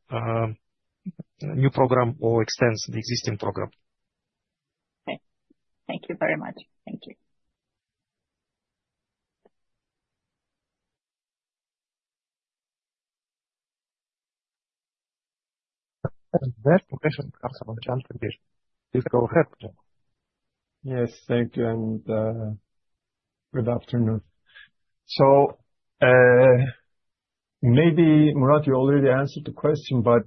program or extend the existing program. The next question comes from Can Demir. If you go ahead, Can. Yes, thank you. Good afternoon. Maybe, Murat, you already answered the question, but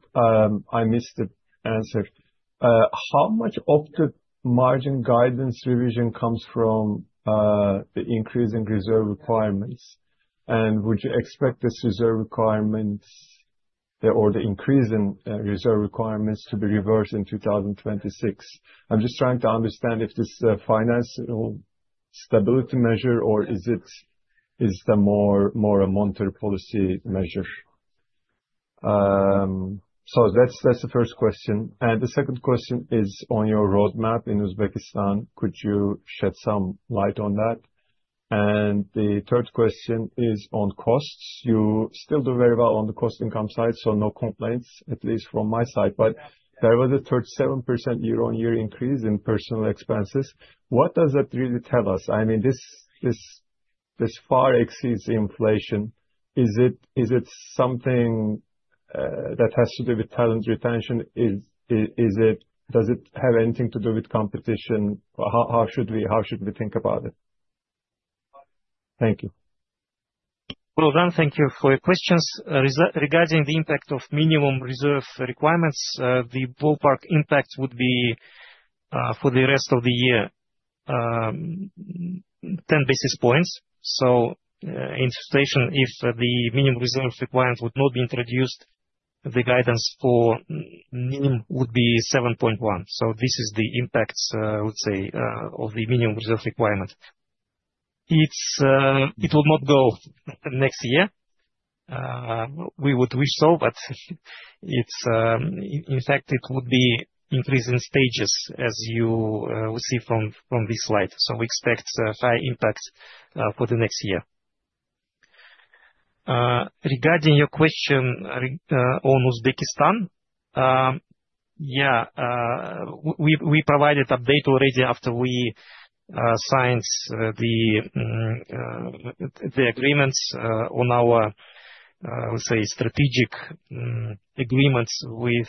I missed it. How much of the margin guidance revision comes from the increase in reserve requirements? Would you expect this reserve requirement or the increase in reserve requirements to be reversed in 2026? I'm just trying to understand if this is a financial stability measure or is it more a monetary policy measure? That's the first question. The second question is on your roadmap in Uzbekistan. Could you shed some light on that? The third question is on costs. You still do very well on the cost-to-income side, so no complaints, at least from my side. There was a 37% year-on-year increase in personnel expenses. What does that really tell us? This far exceeds inflation. Is it something that has to do with talent retention? Does it have anything to do with competition? How should we think about it? Thank you. Thank you for your questions. Regarding the impact of minimum reserve requirements, the ballpark impact would be for the rest of the year, 10 basis points. In the situation, if the minimum reserve requirements would not be introduced, the guidance for NIM would be 7.1. This is the impact, let's say, of the minimum reserve requirement. It will not go next year. We would wish so, but in fact, it would be increased in stages, as you will see from this slide. We expect a high impact for the next year. Regarding your question on Uzbekistan, we provided an update already after we signed the agreements on our, let's say, strategic agreements with,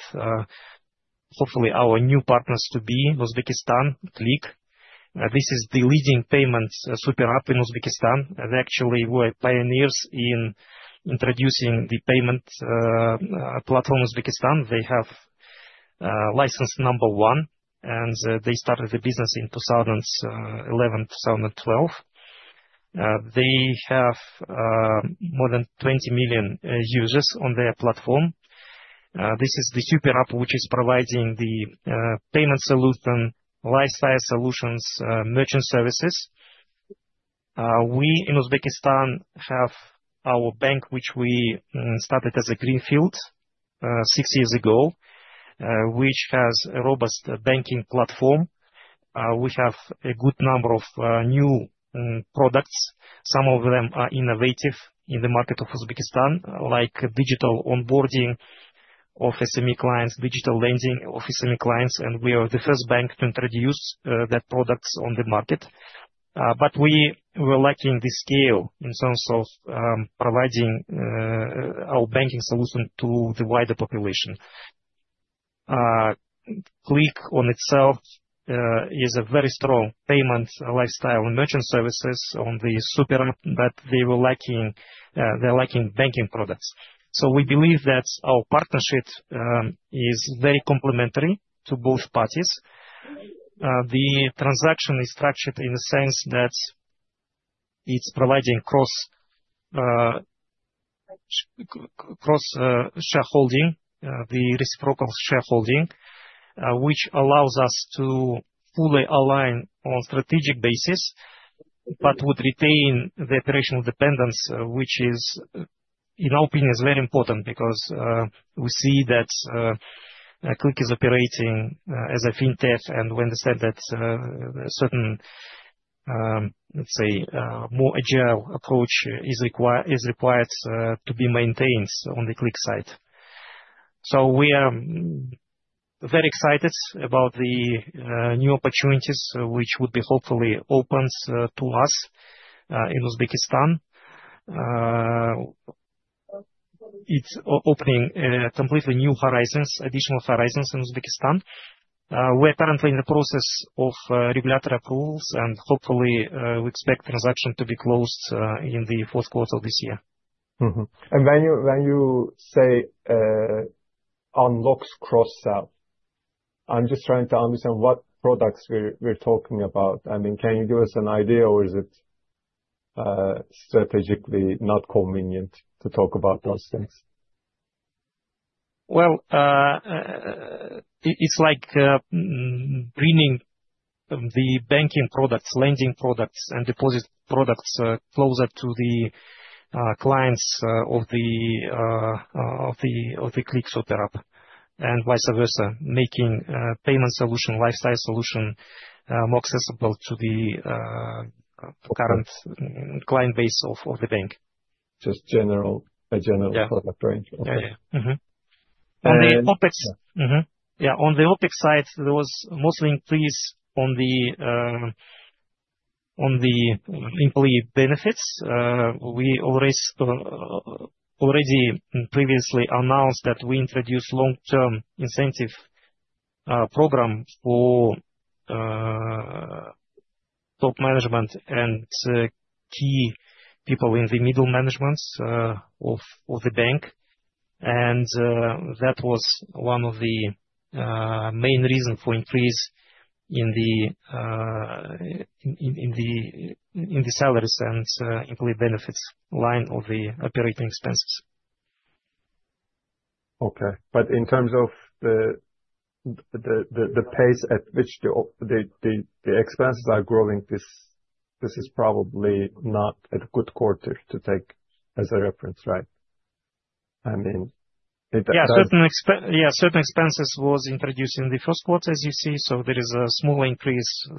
hopefully, our new partners to be in Uzbekistan, Click. This is the leading payment super app in Uzbekistan. They actually were pioneers in introducing the payment platform in Uzbekistan. They have license number one, and they started the business in 2011-2012. They have more than 20 million users on their platform. This is the super app which is providing the payment solution, lifestyle solutions, merchant services. We in Uzbekistan have our bank, which we started as a greenfield six years ago, which has a robust banking platform. We have a good number of new products. Some of them are innovative in the market of Uzbekistan, like digital onboarding of SME clients, digital lending of SME clients. We are the first bank to introduce that product on the market. We were lacking the scale in terms of providing our banking solution to the wider population. Click on itself is a very strong payment lifestyle and merchant services on the super app, but they were lacking banking products. We believe that our partnership is very complementary to both parties. The transaction is structured in the sense that it's providing cross-shareholding, the reciprocal shareholding, which allows us to fully align on a strategic basis, but would retain the operational dependence, which is, in our opinion, is very important because we see that Click is operating as a fintech. We understand that a certain, let's say, more agile approach is required to be maintained on the Click side. We are very excited about the new opportunities which would be hopefully open to us in Uzbekistan. It's opening completely new horizons, additional horizons in Uzbekistan. We're currently in the process of regulatory approvals, and hopefully, we expect transactions to be closed in the first quarter of this year. When you say unlocks cross-sell, I'm just trying to understand what products we're talking about. I mean, can you give us an idea, or is it strategically not convenient to talk about those things? It's like bringing the banking products, lending products, and deposit products closer to the clients of the Click super app and vice versa, making payment solution, lifestyle solution more accessible to the current client base of the bank. Just general by general product range. Yeah. On the OpEx side, there was mostly increase on the employee benefits. We already previously announced that we introduced a long-term incentive program for top management and key people in the middle management of the bank. That was one of the main reasons for increase in the salaries and employee benefits line of the operating expenses. Okay. In terms of the pace at which the expenses are growing, this is probably not a good quarter to take as a reference, right? I mean, it. Yeah, certain expenses were introduced in the first quarter, as you see. There is a small increase in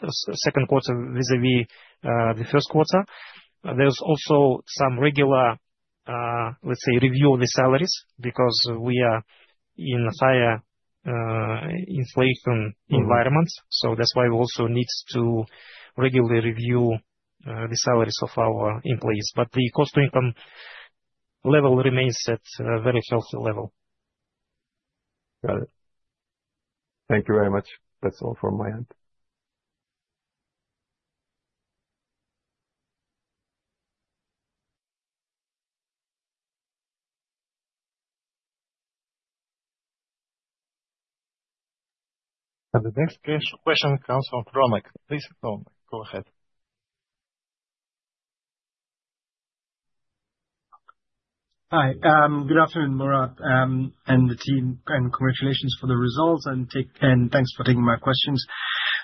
the second quarter vis-à-vis the first quarter. There's also some regular, let's say, review of the salaries because we are in a higher inflation environment. That's why we also need to regularly review the salaries of our employees. The cost-to-income level remains at a very healthy level. Got it. Thank you very much. That's all from my end. The next question comes from Ronak. Please, go ahead. Hi. Good afternoon, Murat and the team. Congratulations for the results, and thanks for taking my questions.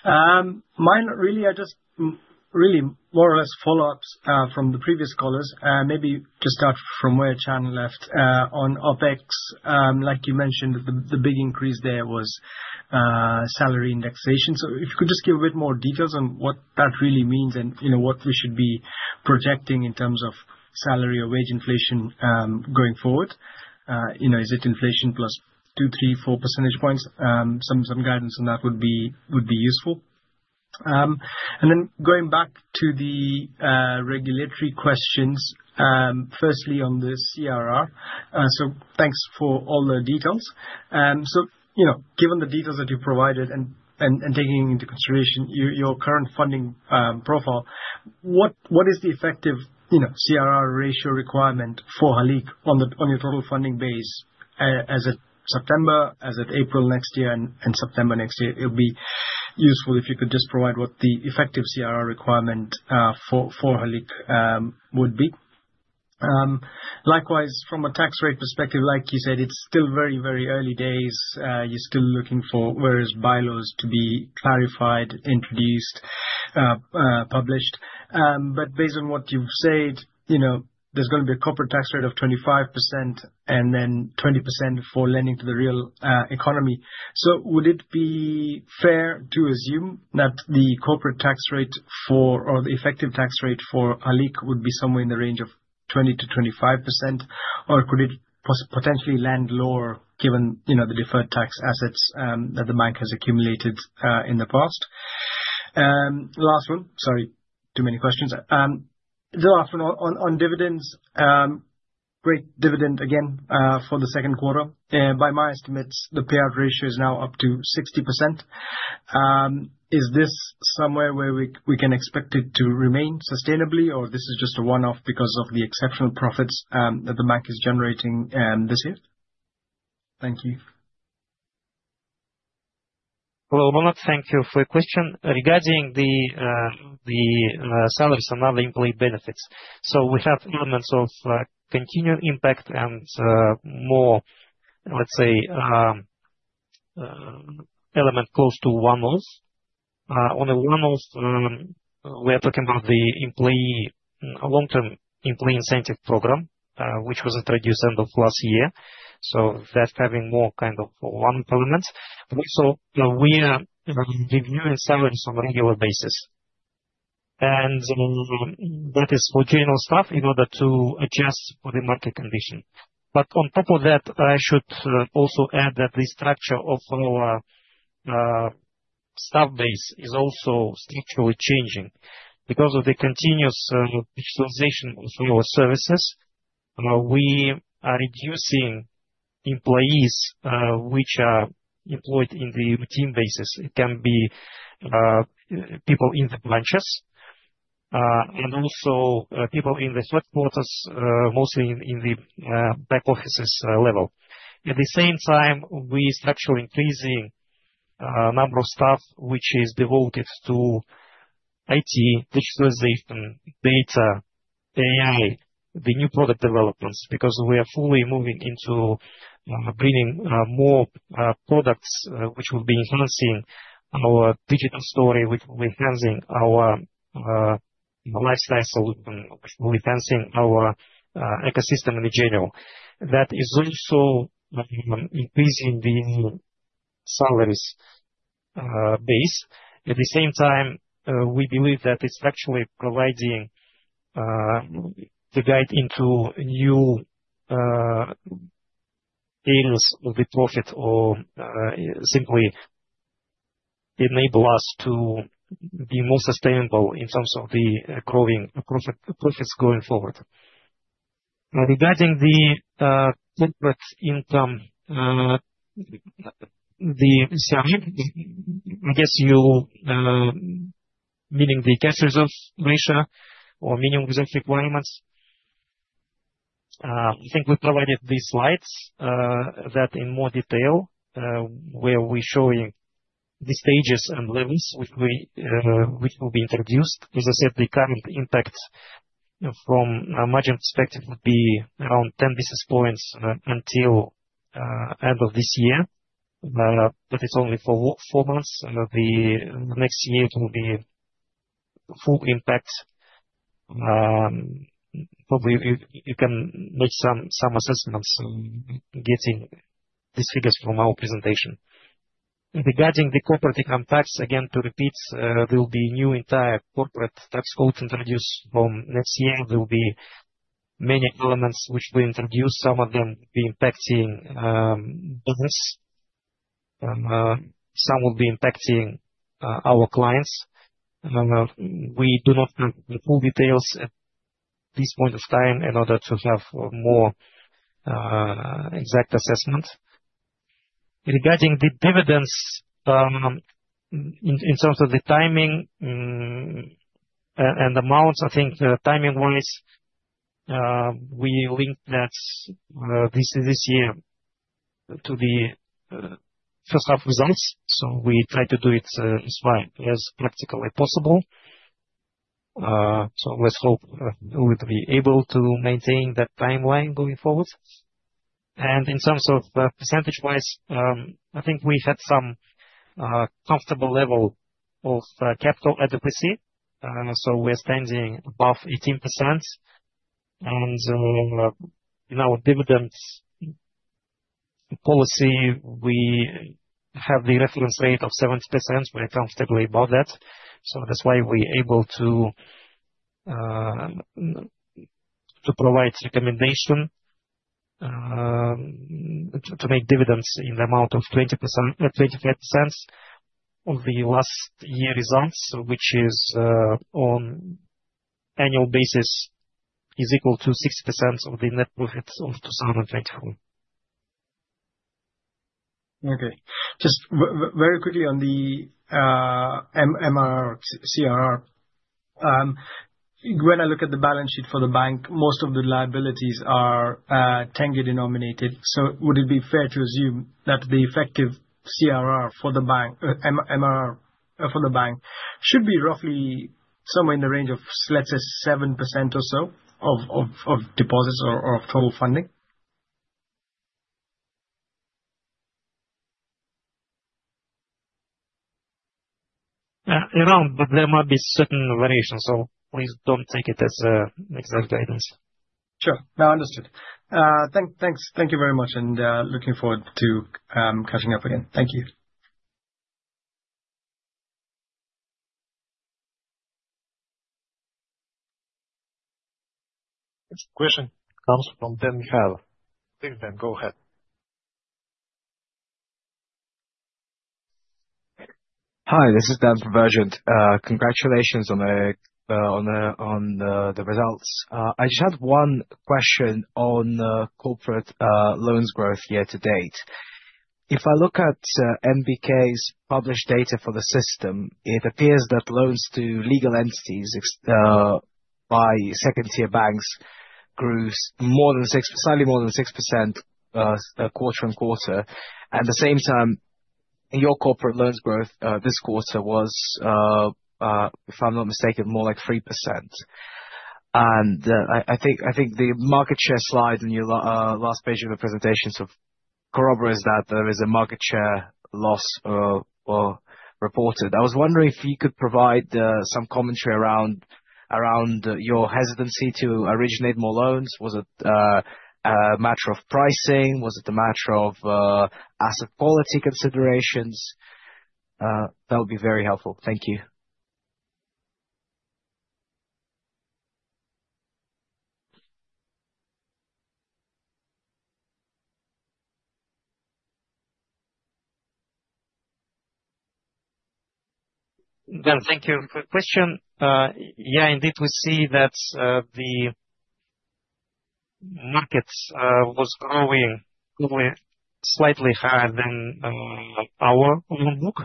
Mine really are just more or less follow-ups from the previous callers. Maybe to start from where Chan left on OpEx, like you mentioned, the big increase there was salary indexation. If you could just give a bit more details on what that really means and what we should be projecting in terms of salary or wage inflation going forward. Is it inflation plus 2%, 3%, 4%? Some guidance on that would be useful. Going back to the regulatory questions, firstly on the CRR. Thanks for all the details. Given the details that you provided and taking into consideration your current funding profile, what is the effective CRR ratio requirement for Halyk on your total funding base? Is it September? Is it April next year and September next year? It would be useful if you could just provide what the effective CRR requirement for Halyk would be. Likewise, from a tax rate perspective, like you said, it's still very, very early days. You're still looking for various bylaws to be clarified, introduced, published. Based on what you've said, there's going to be a corporate tax rate of 25% and then 20% for lending to the real economy. Would it be fair to assume that the corporate tax rate or the effective tax rate for Halyk would be somewhere in the range of 20%-25%? Or could it potentially land lower given the deferred tax assets that the bank has accumulated in the past? The last one, sorry, too many questions. The last one on dividends, break dividend again for the second quarter. By my estimates, the payout ratio is now up to 60%. Is this somewhere where we can expect it to remain sustainably, or is this just a one-off because of the exceptional profits that the bank is generating this year? Thank you. Thank you for your question. Regarding the salaries and other employee benefits, we have elements of continued impact and more, let's say, element close to one-offs. On the one-offs, we are talking about the employee long-term employee incentive program, which was introduced end of last year. That's having more kind of one-off elements. We are reviewing salaries on a regular basis. That is for general staff in order to adjust for the market condition. On top of that, I should also add that the structure of our staff base is also structurally changing because of the continuous digitalization of our services. We are reducing employees which are employed in the routine basis. It can be people in the branches and also people in the third quarters, mostly in the back offices level. At the same time, we are increasing the number of staff which is devoted to IT, digitalization, data, AI, the new product developments because we are fully moving into bringing more products which will be enhancing our digital story, which will be enhancing our lifestyle solution, which will be enhancing our ecosystem in general. That is also increasing the salaries base. At the same time, we believe that it's actually providing the guide into new areas of the project or simply enable us to be more sustainable in terms of the growing projects going forward. Regarding the corporate income, the subject, I guess you meaning the tax reserve ratio or minimum reserve requirements, I think we provided these slides that in more detail where we're showing the stages and levels which will be introduced. As I said, the current impacts from a margin perspective would be around 10 basis points until the end of this year. Now, that is only for four months, and the next year will be full impact. Probably you can make some assessments getting these figures from our presentation. Regarding the corporate income tax, again, to repeat, there will be a new entire corporate tax code introduced from next year. There will be many elements which will be introduced. Some of them will be impacting business. Some will be impacting our clients. We do not know the full details at this point in time in order to have a more exact assessment. Regarding the dividends, in terms of the timing and amounts, I think timing-wise, we link that this year to the first half results. We try to do it as well as practically possible. Let's hope we will be able to maintain that timeline going forward. In terms of percentage-wise, I think we had some comfortable level of capital adequacy. We're standing above 18%. In our dividend policy, we have the reference rate of 70%. We're comfortable about that. That's why we're able to provide recommendation to make dividends in the amount of 25% of the last year results, which on an annual basis is equal to 60% of the net profits of 2024. Okay. Just very quickly on the MRR/CRR. When I look at the balance sheet for the bank, most of the liabilities are tenge denominated. Would it be fair to assume that the effective CRR for the bank, MRR for the bank, should be roughly somewhere in the range of, let's say, 7% or so of deposits or of total funding? There might be certain variations. Please don't take it as an exact guidance. Sure. No, understood. Thank you very much. Looking forward to catching up again. Thank you. Question comes from Dan Mikhaylov. Please, Dan, go ahead. Hi, this is Dan from Vergent. Congratulations on the results. I just had one question on corporate loans growth year to date. If I look at Halyk Bank of Kazakhstan JSC's published data for the system, it appears that loans to legal entities by second-tier banks grew slightly more than 6% quarter on quarter. At the same time, your corporate loans growth this quarter was, if I'm not mistaken, more like 3%. I think the market share slide on your last page of the presentation corroborates that there is a market share loss reported. I was wondering if you could provide some commentary around your hesitancy to originate more loans. Was it a matter of pricing? Was it a matter of asset quality considerations? That would be very helpful. Thank you. Dan, thank you for the question. Yeah, indeed, we see that the market was growing slightly higher than our own book.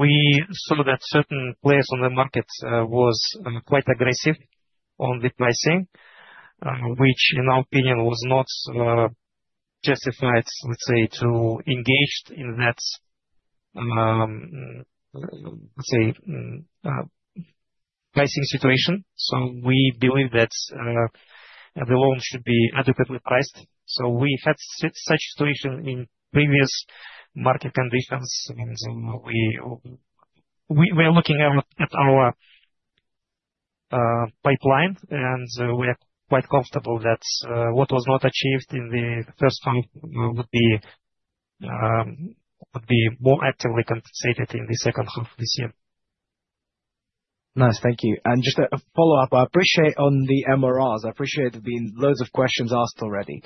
We saw that certain players on the market were quite aggressive on the pricing, which, in our opinion, was not justified to engage in that pricing situation. We believe that the loan should be adequately priced. We had such a situation in previous market conditions. I mean, we were looking at our pipeline, and we are quite comfortable that what was not achieved in the first half would be more actively compensated in the second half of this year. Thank you. Just a follow-up. I appreciate on the MRRs, I appreciate there being loads of questions asked already.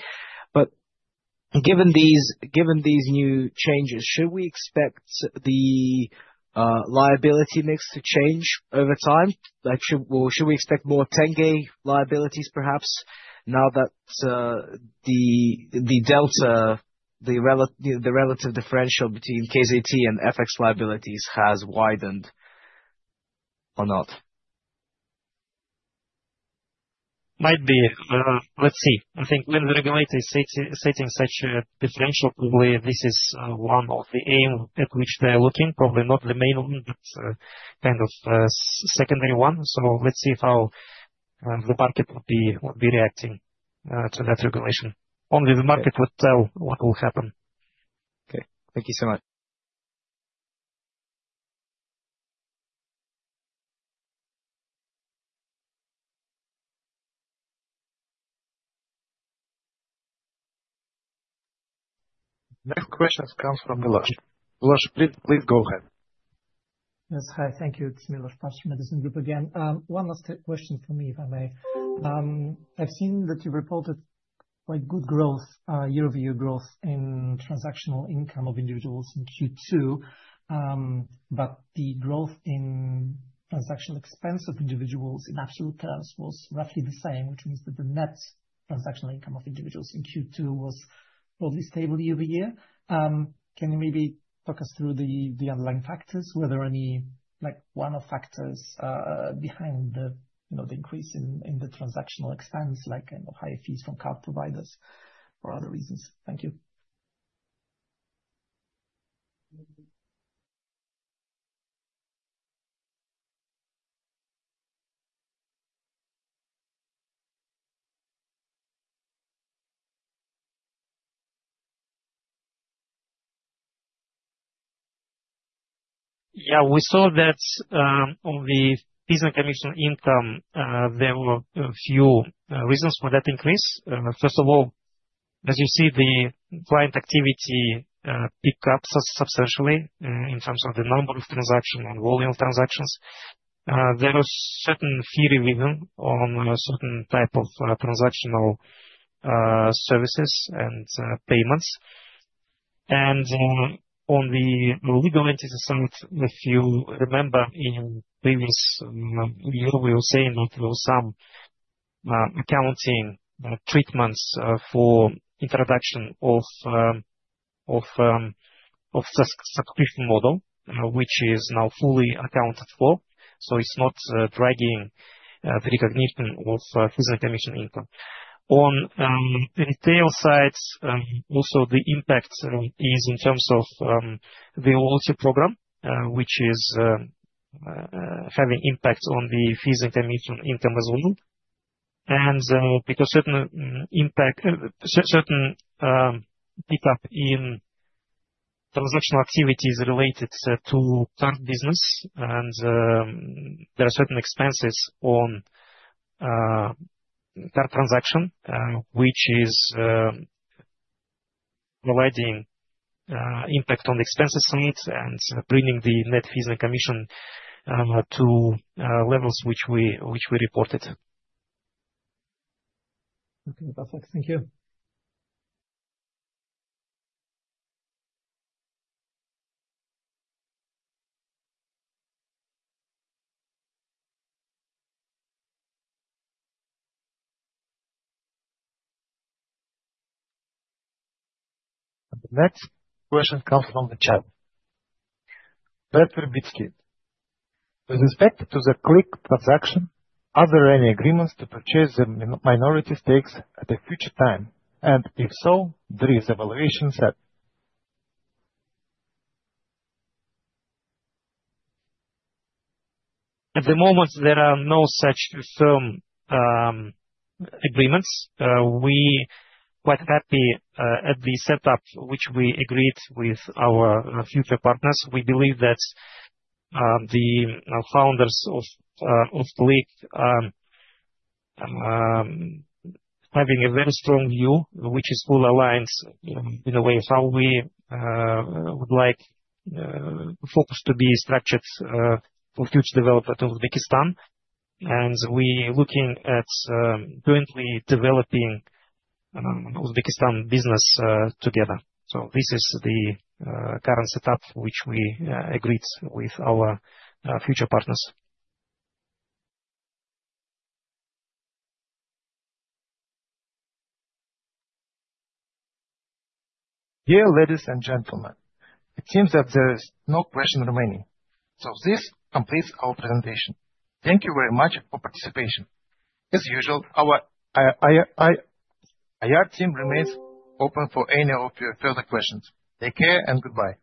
Given these new changes, should we expect the liability mix to change over time? Should we expect more tenge liabilities, perhaps, now that the delta, the relative differential between KZT and FX liabilities has widened or not? Might be. Let's see. I think when the regulators set in such a differential, probably this is one of the aim at which they're looking, probably not the main one, but kind of a secondary one. Let's see how the market would be reacting to that regulation. Only the market would tell what will happen. Okay, thank you so much. Next question comes from Milosz. Milosz, please go ahead. Yes. Hi. Thank you. It's Milosz. Pleasure to meet you again. One last question for me, if I may. I've seen that you reported quite good growth, year-over-year growth in transactional income of individuals in Q2. The growth in transactional expense of individuals in actual terms was roughly the same, which means that the net transactional income of individuals in Q2 was probably stable year over year. Can you maybe talk us through the underlying factors, whether any like one of the factors behind the increase in the transactional expense, like kind of high fees from card providers or other reasons? Thank you. Yeah. We saw that on the business commission income, there were a few reasons for that increase. First of all, as you see, the client activity picked up substantially in terms of the number of transactions and volume of transactions. There was a certain theory driven on a certain type of transactional services and payments. On the legal entities, I think if you remember in the previous year, we were saying that there were some accounting treatments for introduction of the subscription model, which is now fully accounted for. It's not dragging the recognition of business commission income. On retail sides, also the impact is in terms of the volunteer program, which is having an impact on the fees and commission income as well. Because certain pickup in transactional activities related to current business, there are certain expenses on current transaction, which is providing impact on the expenses on it and bringing the net fees and commission to levels which we reported. Okay. That's it. Thank you. Next question comes from the chat. Brad Virbitsky. With respect to the Click transaction, are there any agreements to purchase the minority stakes at a future time? If so, there is a valuation set. At the moment, there are no such firm agreements. We are quite happy at the setup which we agreed with our future partners. We believe that the founders of Click are having a very strong view, which is fully aligned in a way how we would like the focus to be structured for future development in Uzbekistan. We are looking at jointly developing Uzbekistan business together. This is the current setup which we agreed with our future partners. Dear ladies and gentlemen, it seems that there is no question remaining. This completes our presentation. Thank you very much for participation. As usual, our IR team remains open for any of your further questions. Take care and goodbye.